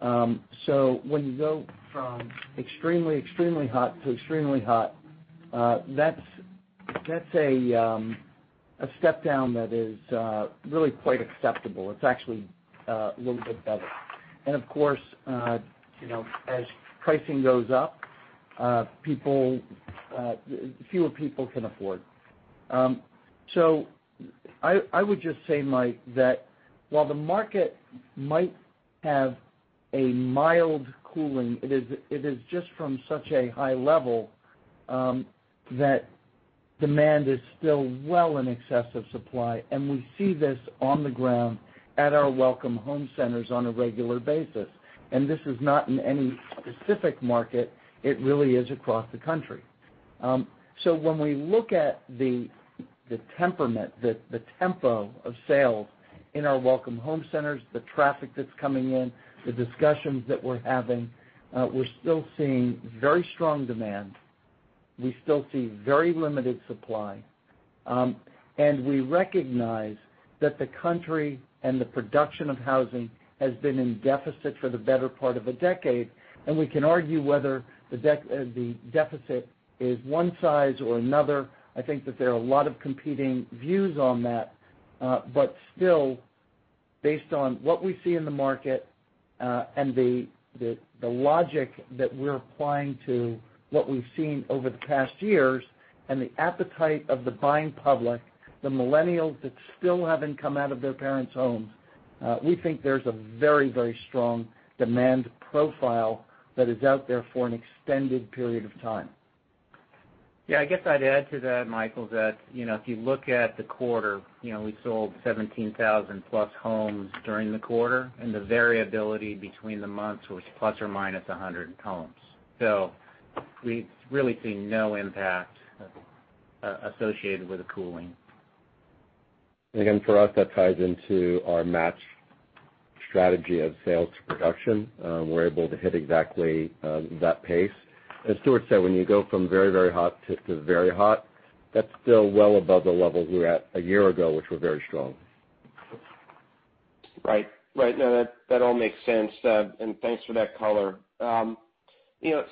When you go from extremely hot to extremely hot, that's a step-down that is really quite acceptable. It's actually a little bit better. Of course, as pricing goes up, fewer people can afford. I would just say, Mike, that while the market might have a mild cooling, it is just from such a high level that demand is still well in excess of supply, and we see this on the ground at our Welcome Home Centers on a regular basis. This is not in any specific market, it really is across the country. When we look at the temperament, the tempo of sales in our Welcome Home Centers, the traffic that's coming in, the discussions that we're having, we're still seeing very strong demand. We still see very limited supply. We recognize that the country and the production of housing has been in deficit for the better part of a decade. We can argue whether the deficit is one size or another. I think that there are a lot of competing views on that. Still, based on what we see in the market and the logic that we're applying to what we've seen over the past years and the appetite of the buying public, the millennials that still haven't come out of their parents' homes, we think there's a very, very strong demand profile that is out there for an extended period of time. Yeah, I guess I'd add to that, Michael, that if you look at the quarter, we sold 17,000+ homes during the quarter, and the variability between the months was ±100 homes. We really see no impact associated with a cooling. For us, that ties into our match strategy of sales to production. We're able to hit exactly that pace. As Stuart said, when you go from very, very hot to very hot, that's still well above the level we were at a year ago, which was very strong. Right. No, that all makes sense, and thanks for that color.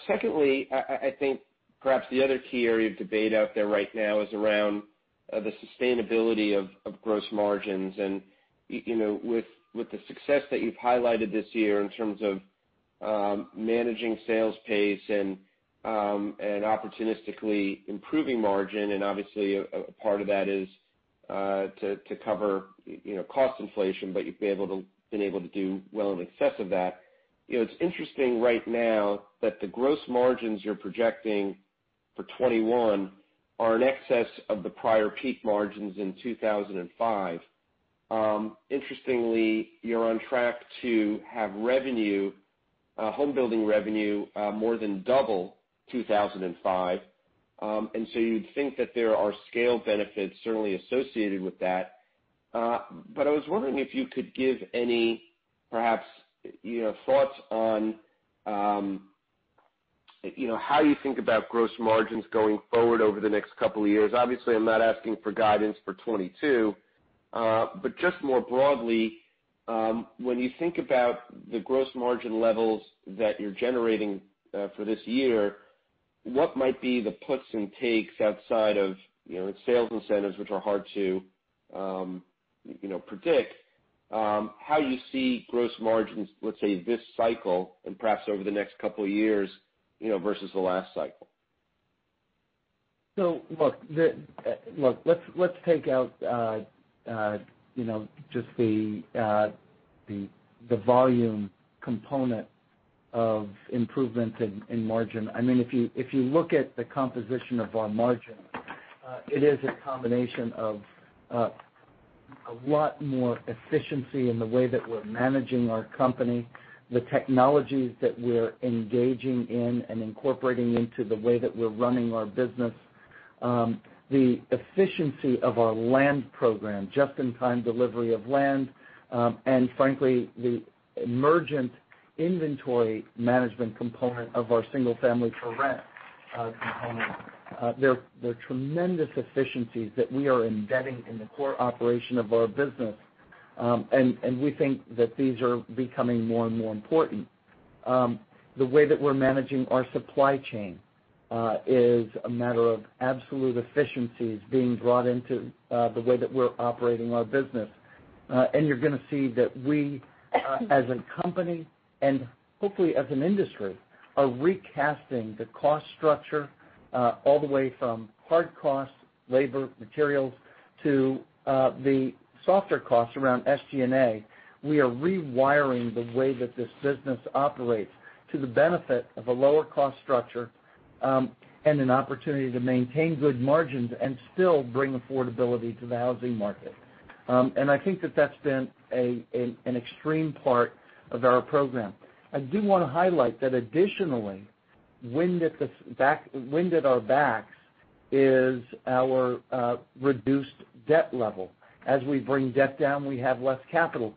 Secondly, I think perhaps the other key area of debate out there right now is around the sustainability of gross margins. With the success that you've highlighted this year in terms of managing sales pace and opportunistically improving margin, and obviously a part of that is to cover cost inflation, but you've been able to do well in excess of that. It's interesting right now that the gross margins you're projecting for 2021 are in excess of the prior peak margins in 2005. Interestingly, you're on track to have home building revenue more than double 2005. You'd think that there are scale benefits certainly associated with that. I was wondering if you could give any perhaps thoughts on how you think about gross margins going forward over the next couple of years. Obviously, I'm not asking for guidance for 2022. Just more broadly, when you think about the gross margin levels that you're generating for this year, what might be the puts and takes outside of sales incentives, which are hard to predict, how you see gross margins, let's say, this cycle and perhaps over the next couple of years, versus the last cycle? Look, let's take out just the volume component of improvements in margin. If you look at the composition of our margin, it is a combination of a lot more efficiency in the way that we're managing our company, the technologies that we're engaging in and incorporating into the way that we're running our business, the efficiency of our land program, just-in-time delivery of land, and frankly, the emergent inventory management component of our single-family for rent component. They're tremendous efficiencies that we are embedding in the core operation of our business, and we think that these are becoming more and more important. The way that we're managing our supply chain is a matter of absolute efficiencies being brought into the way that we're operating our business. You're going to see that we, as a company and hopefully as an industry, are recasting the cost structure all the way from hard costs, labor, materials, to the softer costs around SG&A. We are rewiring the way that this business operates to the benefit of a lower cost structure and an opportunity to maintain good margins and still bring affordability to the housing market. I think that that's been an extreme part of our program. I do want to highlight that additionally, wind at our backs is our reduced debt level. As we bring debt down, we have less capital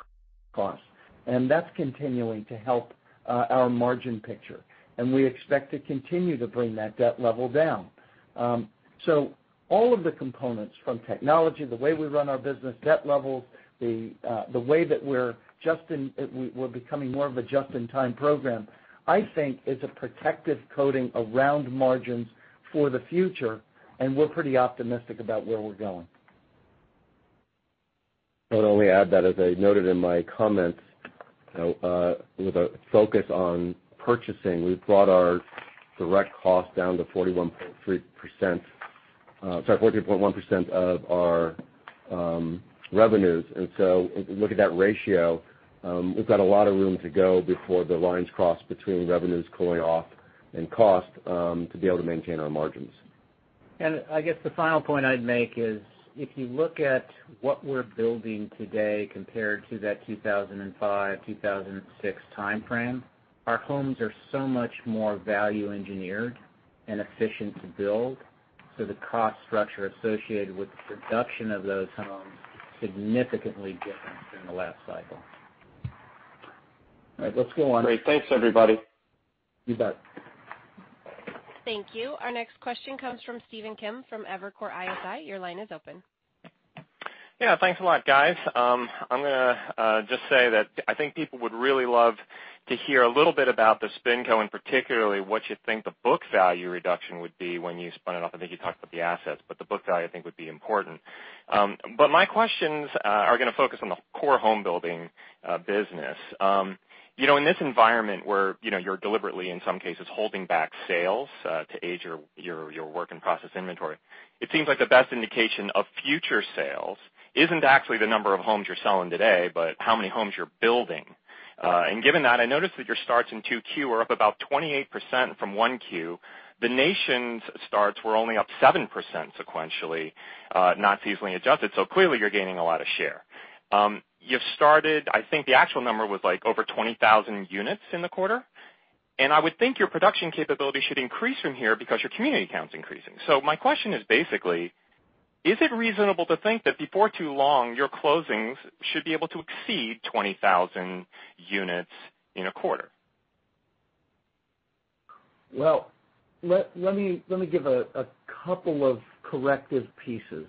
costs, and that's continuing to help our margin picture, and we expect to continue to bring that debt level down. All of the components from technology, the way we run our business, debt levels, the way that we're becoming more of a just-in-time program, I think is a protective coating around margins for the future, and we're pretty optimistic about where we're going. I'll only add that as I noted in my comments, with a focus on purchasing, we've brought our direct cost down to 41.3%, sorry, 40.1% of our revenues. Look at that ratio. We've got a lot of room to go before the lines cross between revenues going off and cost to be able to maintain our margins. I guess the final point I'd make is if you look at what we're building today compared to that 2005, 2006 timeframe, our homes are so much more value-engineered and efficient to build. The cost structure associated with the production of those homes is significantly different than the last cycle. All right, let's go on. Great. Thanks, everybody. You bet. Thank you. Our next question comes from Stephen Kim from Evercore ISI. Your line is open. Yeah. Thanks a lot, guys. I'm going to just say that I think people would really love to hear a little bit about the SpinCo and particularly what you think the book value reduction would be when you spin off. I think you talked about the assets, but the book value, I think, would be important. My questions are going to focus on the core home building business. In this environment where you're deliberately, in some cases, holding back sales to age your work-in-process inventory, it seems like the best indication of future sales isn't actually the number of homes you're selling today, but how many homes you're building. Given that, I noticed that your starts in 2Q were up about 28% from 1Q. The nation's starts were only up 7% sequentially, not seasonally adjusted, clearly you're gaining a lot of share. I think the actual number was over 20,000 units in the quarter. I would think your production capability should increase from here because your community count's increasing. My question is basically, is it reasonable to think that before too long, your closings should be able to exceed 20,000 units in a quarter? Well, let me give a couple of corrective pieces.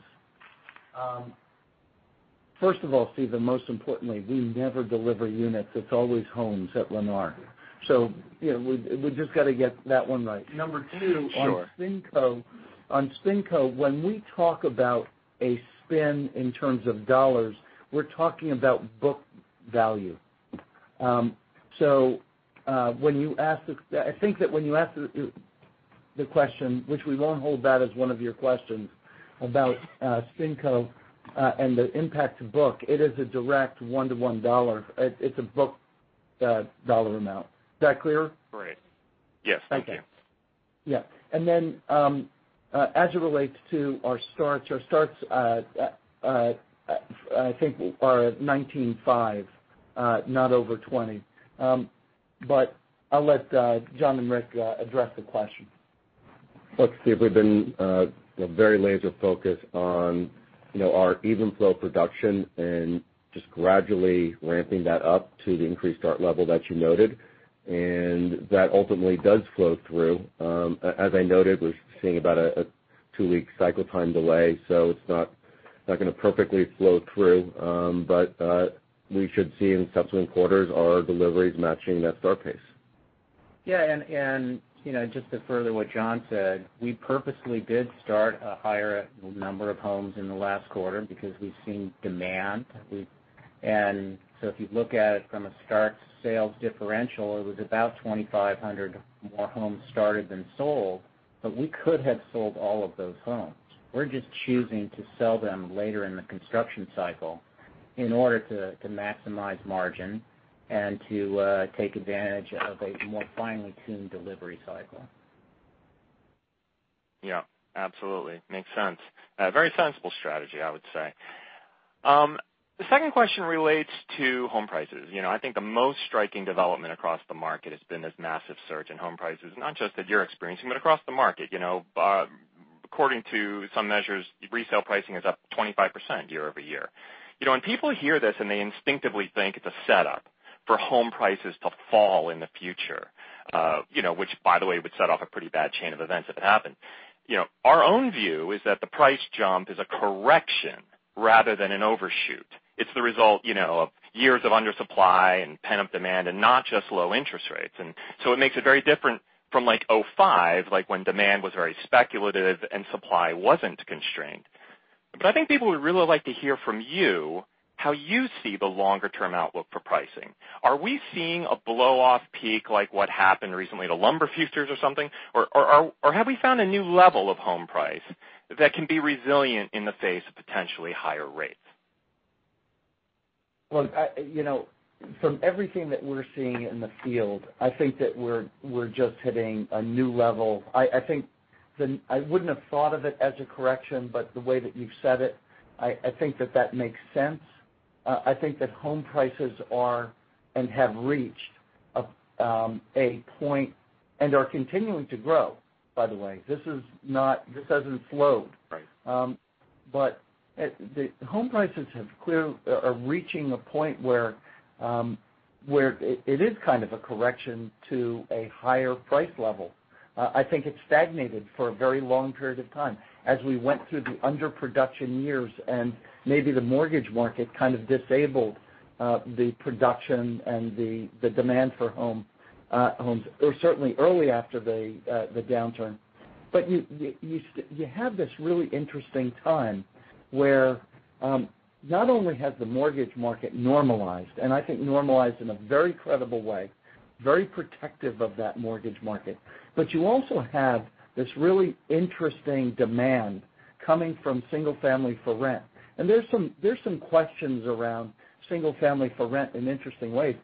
First of all, Stephen, most importantly, we never deliver units. It's always homes at Lennar. We just got to get that one right. Sure. Number two, on SpinCo, when we talk about a spend in terms of dollars, we're talking about book value. I think that when you asked the question, which we won't hold that as one of your questions about SpinCo and the impact to book, it is a direct one-to-one dollar. It's a book dollar amount. Is that clear? Right. Yes, thank you. Yeah. As it relates to our starts, our starts I think are at 19,500, not over 20,000. I'll let Jon and Rick address the question. Look, Steve, we've been very laser focused on our even flow production and just gradually ramping that up to the increased start level that you noted, and that ultimately does flow through. As I noted, we're seeing about a two-week cycle time delay, so it's not going to perfectly flow through. We should see in subsequent quarters our deliveries matching that start pace. Just to further what Jon Jaffe said, we purposely did start a higher number of homes in the last quarter because we've seen demand. If you look at it from a start to sales differential, it was about 2,500 more homes started than sold, but we could have sold all of those homes. We're just choosing to sell them later in the construction cycle in order to maximize margin and to take advantage of a more finely tuned delivery cycle. Yeah, absolutely. Makes sense. A very sensible strategy, I would say. The second question relates to home prices. I think the most striking development across the market has been this massive surge in home prices, not just that you're experiencing, but across the market. According to some measures, resale pricing is up 25% year-over-year. People hear this, and they instinctively think it's a setup for home prices to fall in the future, which by the way, would set off a pretty bad chain of events if it happened. Our own view is that the price jump is a correction rather than an overshoot. It's the result of years of undersupply and pent-up demand and not just low interest rates. It makes it very different from 2005, when demand was very speculative and supply wasn't constrained. I think people would really like to hear from you how you see the longer-term outlook for pricing. Are we seeing a blow-off peak like what happened recently to lumber futures or something? Or have we found a new level of home price that can be resilient in the face of potentially higher rates? Look, from everything that we're seeing in the field, I think that we're just hitting a new level. I wouldn't have thought of it as a correction, but the way that you've said it, I think that that makes sense. I think that home prices are and have reached a point and are continuing to grow, by the way. This doesn't slow. Right. Home prices are reaching a point where it is kind of a correction to a higher price level. I think it's stagnated for a very long period of time as we went through the underproduction years and maybe the mortgage market kind of disabled the production and the demand for homes, or certainly early after the downturn. You have this really interesting time where, not only has the mortgage market normalized, and I think normalized in a very credible way. Very protective of that mortgage market. You also have this really interesting demand coming from single-family for rent. There's some questions around single-family for rent in interesting ways.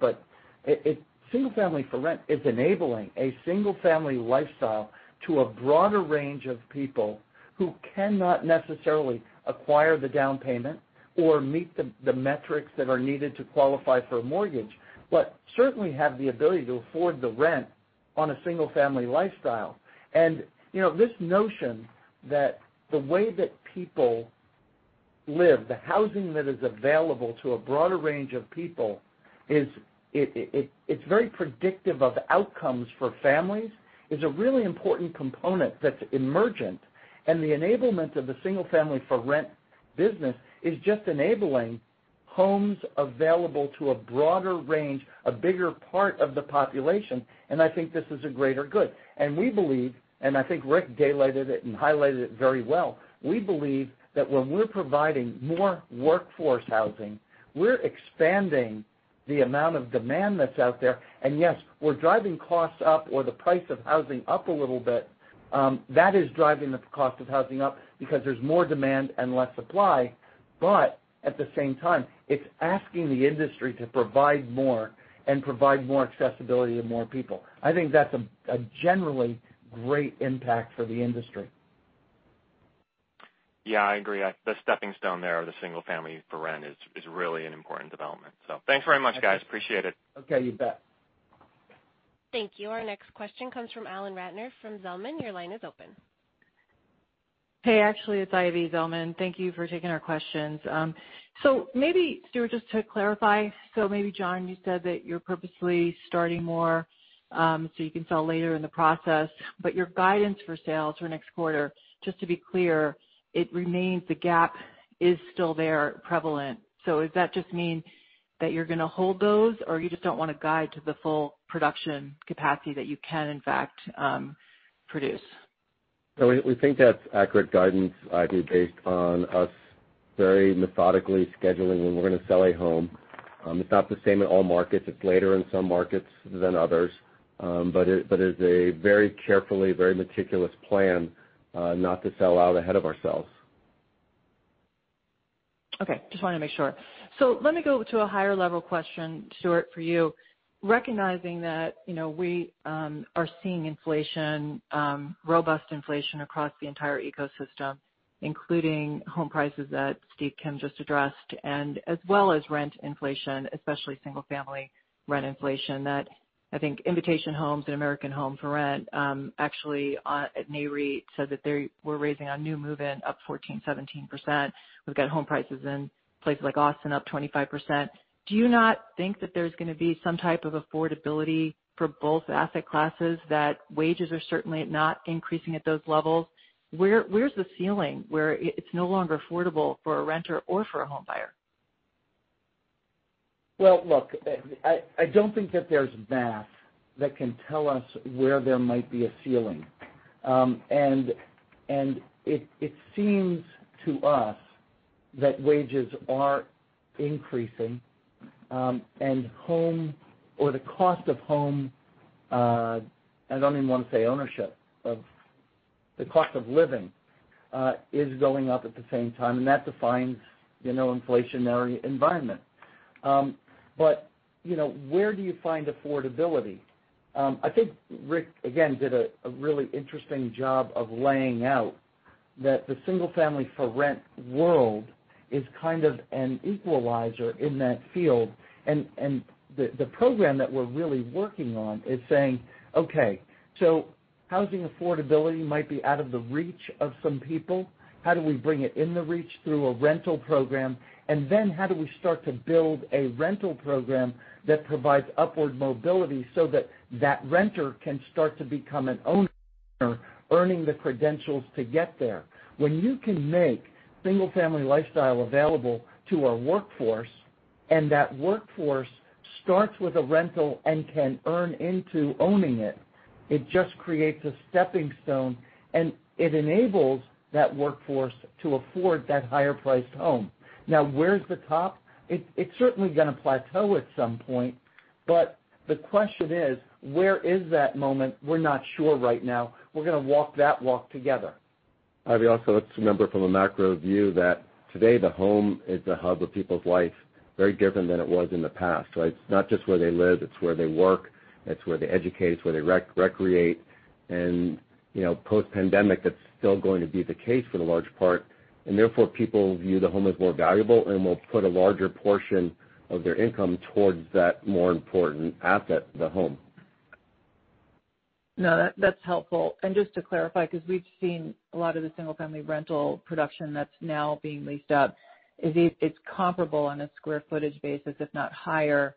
Single-family for rent is enabling a single family lifestyle to a broader range of people who cannot necessarily acquire the down payment or meet the metrics that are needed to qualify for a mortgage, but certainly have the ability to afford the rent on a single family lifestyle. This notion that the way that people live, the housing that is available to a broader range of people, it's very predictive of outcomes for families, is a really important component that's emergent. The enablement of the single-family for rent business is just enabling homes available to a broader range, a bigger part of the population, and I think this is a greater good. I think Rick daylighted it and highlighted it very well. We believe that when we're providing more workforce housing, we're expanding the amount of demand that's out there. Yes, we're driving costs up or the price of housing up a little bit. That is driving the cost of housing up because there's more demand and less supply. At the same time, it's asking the industry to provide more and provide more accessibility to more people. I think that's a generally great impact for the industry. Yeah, I agree. The stepping stone there of the single-family for rent is really an important development. Thanks very much, guys. Appreciate it. Okay, you bet. Thank you. Our next question comes from Alan Ratner from Zelman. Your line is open. Hey, actually, it's Ivy Zelman. Thank you for taking our questions. Maybe, Stuart, just to clarify, maybe, Jon, you said that you're purposely starting more, so you can sell later in the process. Your guidance for sales for next quarter, just to be clear, it remains the gap is still there prevalent. Does that just mean that you're going to hold those or you just don't want to guide to the full production capacity that you can in fact produce? No, we think that's accurate guidance, Ivy, based on us very methodically scheduling when we're going to sell a home. It's not the same in all markets. It's later in some markets than others. It's a very carefully, very meticulous plan not to sell out ahead of ourselves. Just want to make sure. Let me go to a higher level question, Stuart, for you. Recognizing that we are seeing robust inflation across the entire ecosystem, including home prices that Stephen Kim just addressed, as well as rent inflation, especially Single-Family rent inflation, that I think Invitation Homes and American Homes 4 Rent actually, at Nareit said that they were raising on new move-in up 14% to 17%. We've got home prices in places like Austin up 25%. Do you not think that there's going to be some type of affordability for both asset classes, that wages are certainly not increasing at those levels? Where's the ceiling where it's no longer affordable for a renter or for a homebuyer? Well, look, I don't think that there's math that can tell us where there might be a ceiling. It seems to us that wages are increasing, and the cost of I don't even want to say ownership, of the cost of living is going up at the same time, and that defines inflationary environment. Where do you find affordability? I think Rick, again, did a really interesting job of laying out that the single-family for rent world is kind of an equalizer in that field, and the program that we're really working on is saying, okay, so housing affordability might be out of the reach of some people. How do we bring it in the reach through a rental program? How do we start to build a rental program that provides upward mobility so that that renter can start to become an owner, earning the credentials to get there? When you can make single-family lifestyle available to a workforce, and that workforce starts with a rental and can earn into owning it just creates a stepping stone, and it enables that workforce to afford that higher priced home. Where's the top? It's certainly going to plateau at some point, but the question is, where is that moment? We're not sure right now. We're going to walk that walk together. Ivy, also let's remember from the macro view that today the home is the hub of people's life, very different than it was in the past, right? It's not just where they live, it's where they work, it's where they educate, it's where they recreate. Post-pandemic, that's still going to be the case for the large part, and therefore, people view the home as more valuable and will put a larger portion of their income towards that more important asset, the home. No, that's helpful. Just to clarify, because we've seen a lot of the single-family rental production that's now being leased up is it's comparable on a square footage basis, if not higher,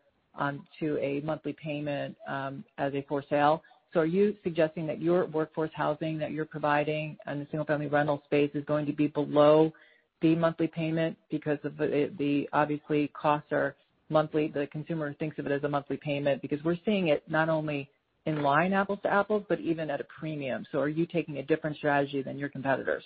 to a monthly payment as a for sale? Are you suggesting that your workforce housing that you're providing on the single-family rental space is going to be below the monthly payment because obviously costs are monthly, the consumer thinks of it as a monthly payment, because we're seeing it not only in line apples to apples, but even at a premium? Are you taking a different strategy than your competitors?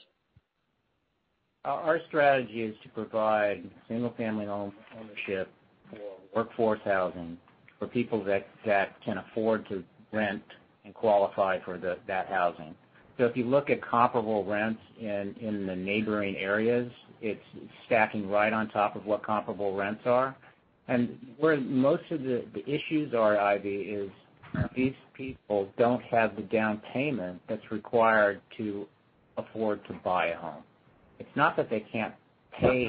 Our strategy is to provide single-family home ownership for workforce housing for people that can afford to rent and qualify for that housing. If you look at comparable rents in the neighboring areas, it's stacking right on top of what comparable rents are. Where most of the issues are, Ivy, is these people don't have the down payment that's required to afford to buy a home. It's not that they can't pay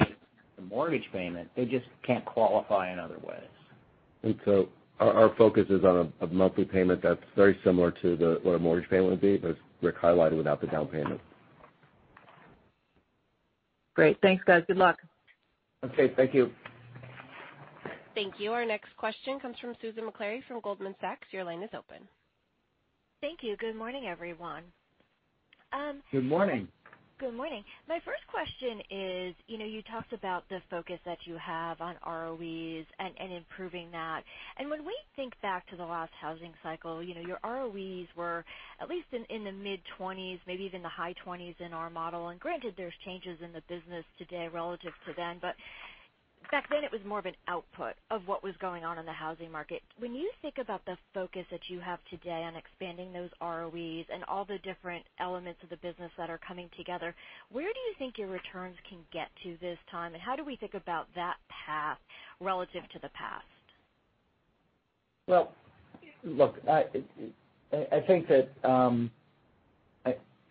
the mortgage payment, they just can't qualify in other ways. Our focus is on a monthly payment that's very similar to what a mortgage payment would be, but as Rick highlighted, without the down payment. Great. Thanks, guys. Good luck. Okay. Thank you. Thank you. Our next question comes from Susan Maklari from Goldman Sachs. Your line is open. Thank you. Good morning, everyone. Good morning. Good morning. My first question is, you talked about the focus that you have on ROEs and improving that. When we think back to the last housing cycle, your ROEs were at least in the mid-twenties, maybe even the high twenties in our model. Granted, there's changes in the business today relative to then. Back then it was more of an output of what was going on in the housing market. When you think about the focus that you have today on expanding those ROEs and all the different elements of the business that are coming together, where do you think your returns can get to this time? How do we think about that path relative to the past? Look,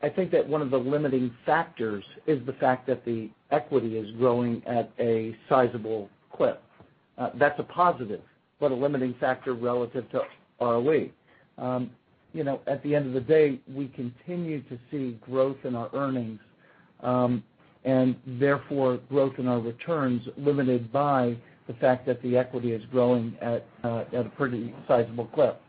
I think that one of the limiting factors is the fact that the equity is growing at a sizable clip. That's a positive, but a limiting factor relative to ROE. At the end of the day, we continue to see growth in our earnings, and therefore growth in our returns, limited by the fact that the equity is growing at a pretty sizable clip.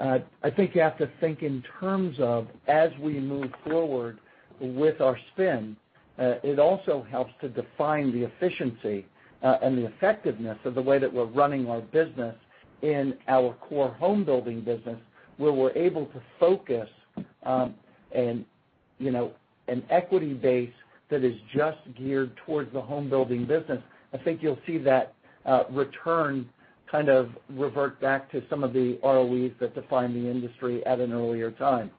I think you have to think in terms of as we move forward with our spin, it also helps to define the efficiency and the effectiveness of the way that we're running our business in our core homebuilding business, where we're able to focus on an equity base that is just geared towards the homebuilding business. I think you'll see that return kind of revert back to some of the ROEs that defined the industry at an earlier time.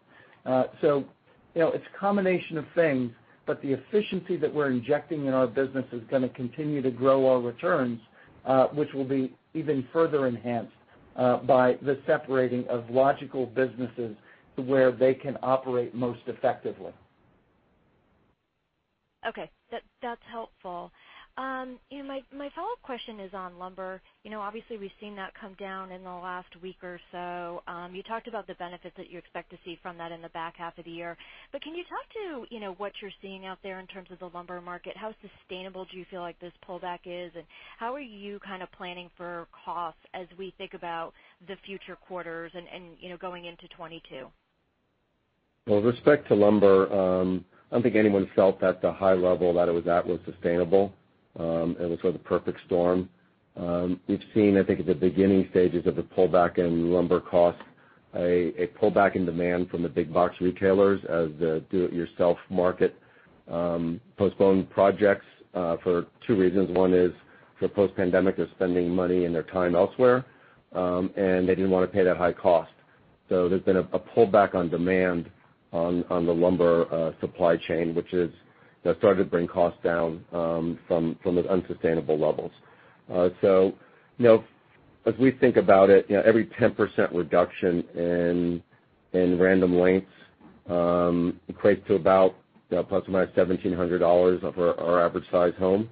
It's a combination of things, but the efficiency that we're injecting in our business is going to continue to grow our returns, which will be even further enhanced by the separating of logical businesses to where they can operate most effectively. Okay. That's helpful. My follow-up question is on lumber. Obviously, we've seen that come down in the last week or so. You talked about the benefits that you expect to see from that in the back half of the year. Can you talk to what you're seeing out there in terms of the lumber market? How sustainable do you feel like this pullback is, and how are you planning for costs as we think about the future quarters and going into 2022? With respect to lumber, I don't think anyone felt that the high level that it was at was sustainable. It was sort of the perfect storm. We've seen, I think, the beginning stages of a pullback in lumber costs, a pullback in demand from the big box retailers as the do-it-yourself market postpones projects for 2 reasons. One is the post-pandemic is spending money and their time elsewhere, they didn't want to pay that high cost. There's been a pullback on demand on the lumber supply chain, which has started to bring costs down from the unsustainable levels. As we think about it, every 10% reduction in random lengths equates to about approximately $1,700 of our average size home.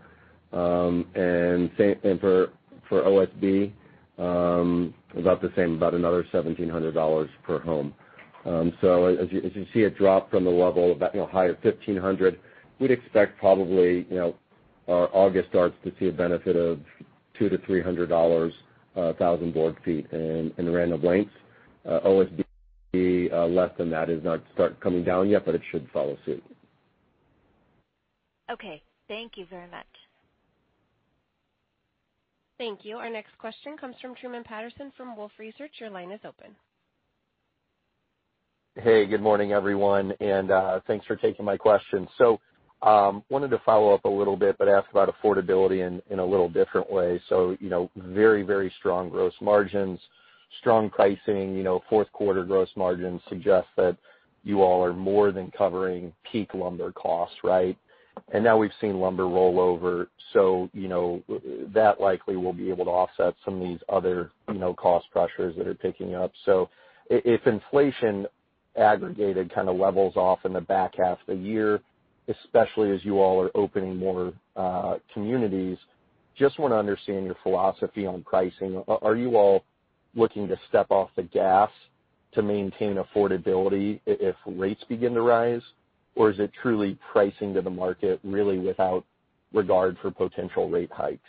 Same thing for OSB, about the same, about another $1,700 per home. As you see a drop from the level of higher 1,500, we'd expect probably August starts to see a benefit of $200-$300 a 1,000 board feet in random lengths. OSB, less than that. It's not started coming down yet, but it should follow suit. Okay. Thank you very much. Thank you. Our next question comes from Truman Patterson from Wolfe Research. Your line is open. Good morning, everyone, thanks for taking my question. Wanted to follow up a little bit, but ask about affordability in a little different way. Very strong gross margins, strong pricing. Fourth quarter gross margins suggest that you all are more than covering peak lumber costs, right? Now we've seen lumber roll over, so that likely will be able to offset some of these other cost pressures that are picking up. If inflation aggregated levels off in the back half of the year, especially as you all are opening more communities, just want to understand your philosophy on pricing. Are you all looking to step off the gas to maintain affordability if rates begin to rise? Is it truly pricing to the market really without regard for potential rate hikes?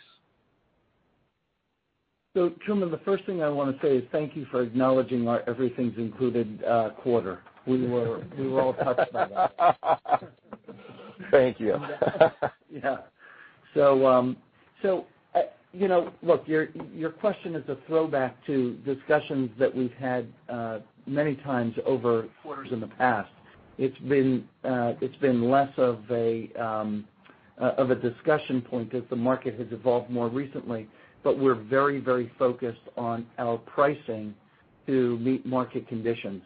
Truman, the first thing I want to say is thank you for acknowledging our Everything's Included quarter. We were all touched by that. Thank you. Yeah. Look, your question is a throwback to discussions that we've had many times over quarters in the past. It's been less of a discussion point as the market has evolved more recently. We're very focused on our pricing to meet market conditions.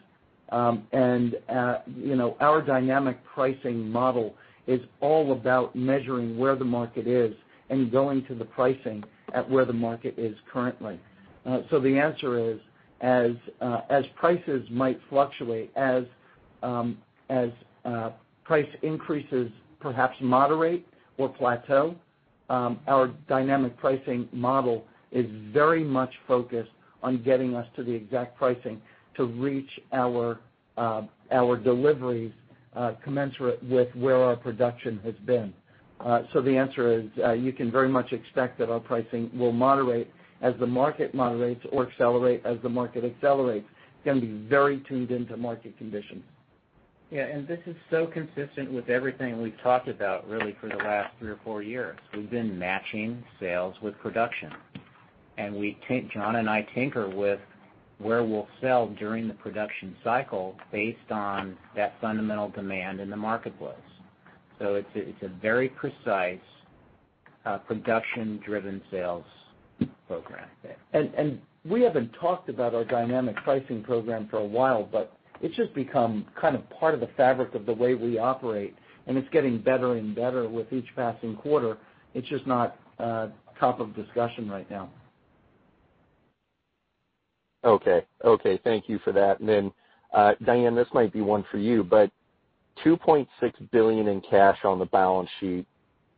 Our dynamic pricing model is all about measuring where the market is and going to the pricing at where the market is currently. The answer is, as prices might fluctuate, as price increases perhaps moderate or plateau, our dynamic pricing model is very much focused on getting us to the exact pricing to reach our deliveries commensurate with where our production has been. The answer is, you can very much expect that our pricing will moderate as the market moderates or accelerate as the market accelerates. It's going to be very tuned into market conditions. Yeah, this is so consistent with everything we've talked about really for the last three or four years. We've been matching sales with production. Jon and I tinker with where we'll sell during the production cycle based on that fundamental demand in the marketplace. It's a very precise production-driven sales program there. We haven't talked about our dynamic pricing program for a while, but it's just become kind of part of the fabric of the way we operate, and it's getting better and better with each passing quarter. It's just not a topic of discussion right now. Okay. Thank you for that. Then, Diane, this might be one for you, but $2.6 billion in cash on the balance sheet.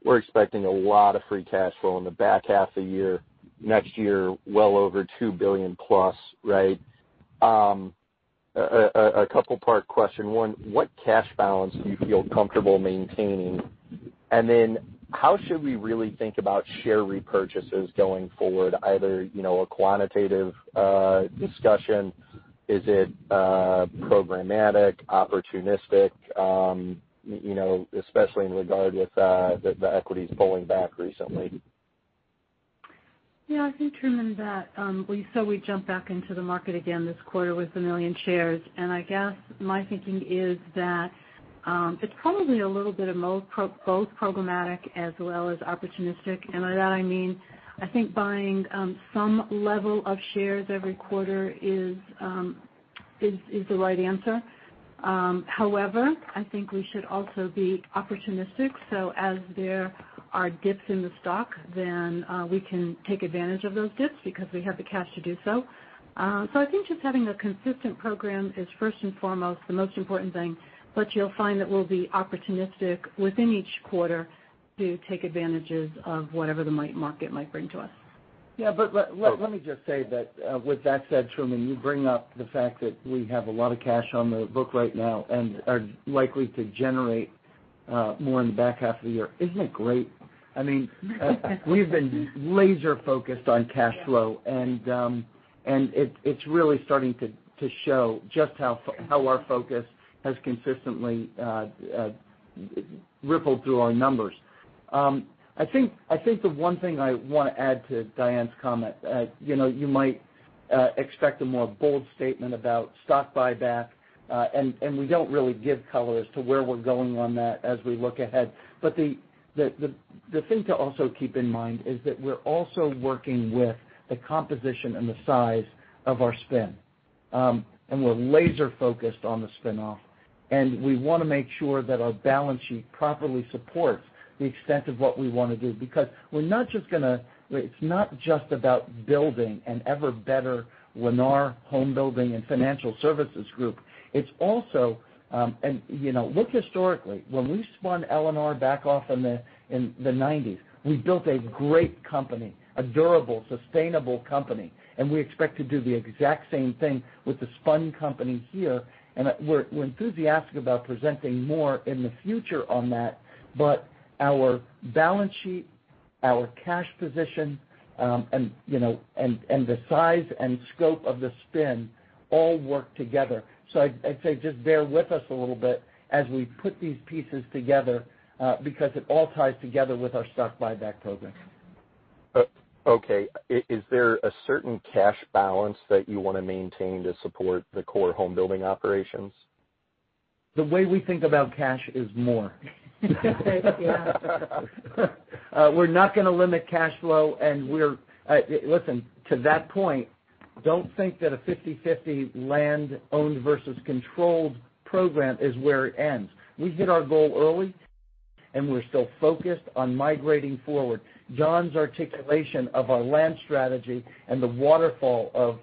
We're expecting a lot of free cash flow in the back half of the year, next year, well over $2 billion+, right? A couple part question. One, what cash balance do you feel comfortable maintaining? Then how should we really think about share repurchases going forward, either a quantitative discussion, is it programmatic, opportunistic, especially in regard with the equities pulling back recently? Yeah. I think, Truman, that we said we'd jump back into the market again this quarter with 1 million shares. I guess my thinking is that it's probably a little bit of both programmatic as well as opportunistic. By that I mean, I think buying some level of shares every quarter is the right answer. However, I think we should also be opportunistic. As there are dips in the stock, then we can take advantage of those dips because we have the cash to do so. I think just having a consistent program is first and foremost the most important thing. You'll find that we'll be opportunistic within each quarter to take advantages of whatever the market might bring to us. Let me just say that with that said, Truman, you bring up the fact that we have a lot of cash on the book right now and are likely to generate more in the back half of the year. Isn't it great? We've been laser-focused on cash flow, and it's really starting to show just how our focus has consistently rippled through our numbers. I think the one thing I want to add to Diane's comment, you might expect a more bold statement about stock buyback, and we don't really give color as to where we're going on that as we look ahead. The thing to also keep in mind is that we're also working with the composition and the size of our Spin. We're laser-focused on the spin-off, and we want to make sure that our balance sheet properly supports the extent of what we want to do, because it's not just about building an ever better Lennar homebuilding and financial services group. Look historically, when we spun LNR back off in the 90s, we built a great company, a durable, sustainable company, and we expect to do the exact same thing with the spun company here. We're enthusiastic about presenting more in the future on that. Our balance sheet, our cash position, and the size and scope of the spin all work together. I say just bear with us a little bit as we put these pieces together because it all ties together with our stock buyback program. Okay. Is there a certain cash balance that you want to maintain to support the core homebuilding operations? The way we think about cash is more. Yeah. We're not going to limit cash flow, and listen, to that point, don't think that a 50/50 land owned versus controlled program is where it ends. We hit our goal early, and we're still focused on migrating forward. Jon's articulation of our land strategy and the waterfall of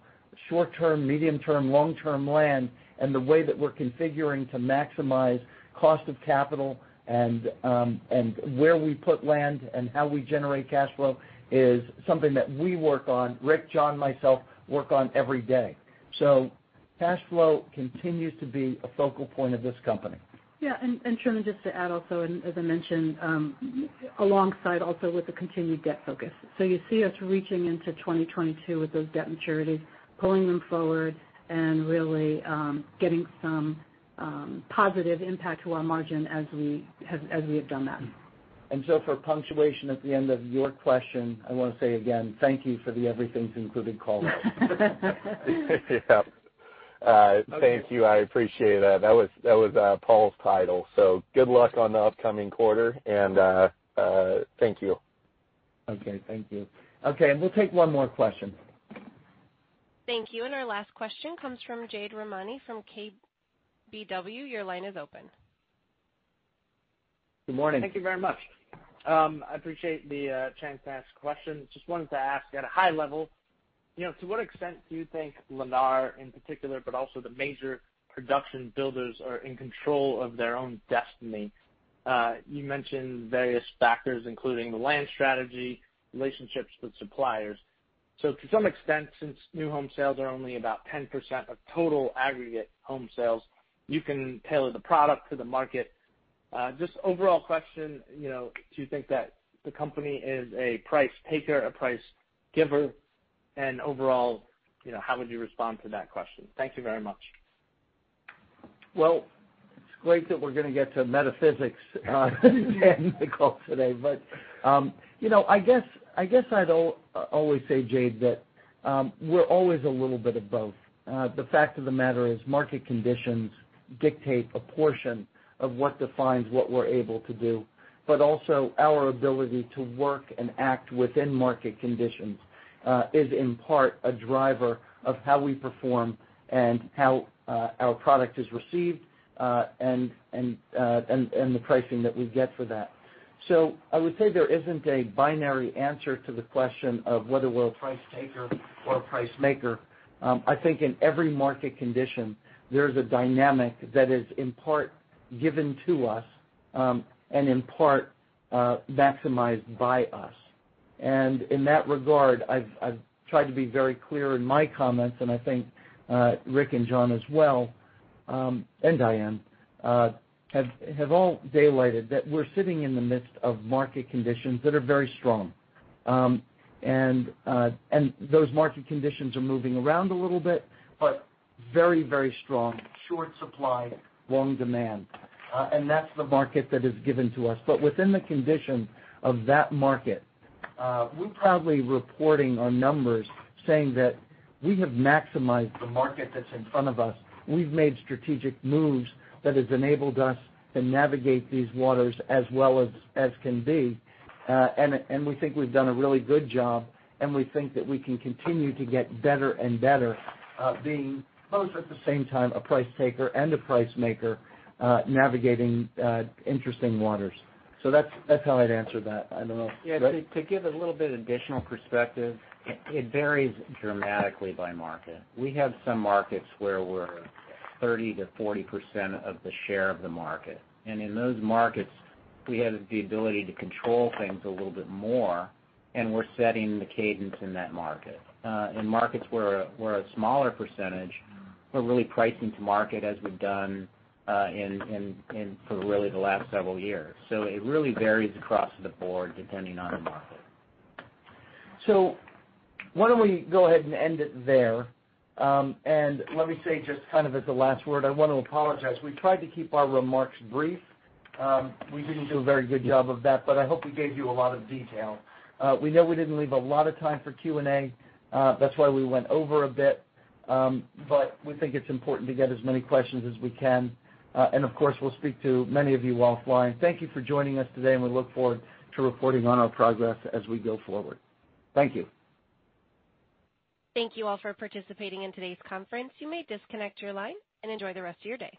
short-term, medium-term, long-term land, and the way that we're configuring to maximize cost of capital and where we put land and how we generate cash flow is something that we work on, Rick, Jon, myself, work on every day. So cash flow continues to be a focal point of this company. Yeah. Truman, just to add also, as I mentioned, alongside also with the continued debt focus. You see us reaching into 2022 with those debt maturities, pulling them forward, and really getting some positive impact to our margin as we have done that. For punctuation at the end of your question, I want to say again, thank you for the Everything's Included call note. Yeah. Thank you. I appreciate that. That was Paul's title. Good luck on the upcoming quarter, and thank you. Okay. Thank you. Okay, we'll take one more question. Thank you. Our last question comes from Jade Rahmani from KBW. Your line is open. Good morning. Thank you very much. I appreciate the chance to ask a question. Just wanted to ask at a high level, to what extent do you think Lennar in particular, but also the major production builders are in control of their own destiny? You mentioned various factors, including the land strategy, relationships with suppliers. To some extent, since new home sales are only about 10% of total aggregate home sales, you can tailor the product to the market. Just overall question, do you think that the company is a price taker, a price giver? Overall, how would you respond to that question? Thank you very much. It's great that we're going to get to metaphysics at the end of the call today. I guess I'd always say, Jade, that we're always a little bit of both. The fact of the matter is market conditions dictate a portion of what defines what we're able to do, but also our ability to work and act within market conditions is in part a driver of how we perform and how our product is received and the pricing that we get for that. I would say there isn't a binary answer to the question of whether we're a price taker or a price maker. I think in every market condition, there's a dynamic that is in part given to us and in part maximized by us. In that regard, I've tried to be very clear in my comments, and I think Rick and Jon as well, and Diane, have all daylighted that we're sitting in the midst of market conditions that are very strong. Those market conditions are moving around a little bit, but very strong. Short supply, long demand. That's the market that is given to us. Within the condition of that market, we're proudly reporting our numbers saying that we have maximized the market that's in front of us. We've made strategic moves that have enabled us to navigate these waters as well as can be. We think we've done a really good job, and we think that we can continue to get better and better at being both at the same time a price taker and a price maker, navigating interesting waters. That's how I'd answer that. I don't know. Yeah. To give a little bit of additional perspective, it varies dramatically by market. We have some markets where we're 30%-40% of the share of the market. In those markets, we have the ability to control things a little bit more, and we're setting the cadence in that market. In markets where we're a smaller percentage, we're really pricing to market as we've done for really the last several years. It really varies across the board depending on the market. Why don't we go ahead and end it there? Let me say, just kind of as a last word, I want to apologize. We tried to keep our remarks brief. We didn't do a very good job of that, but I hope we gave you a lot of detail. We know we didn't leave a lot of time for Q&A. That's why we went over a bit. We think it's important to get as many questions as we can. Of course, we'll speak to many of you offline. Thank you for joining us today, and we look forward to reporting on our progress as we go forward. Thank you. Thank you all for participating in today's conference. You may disconnect your line and enjoy the rest of your day.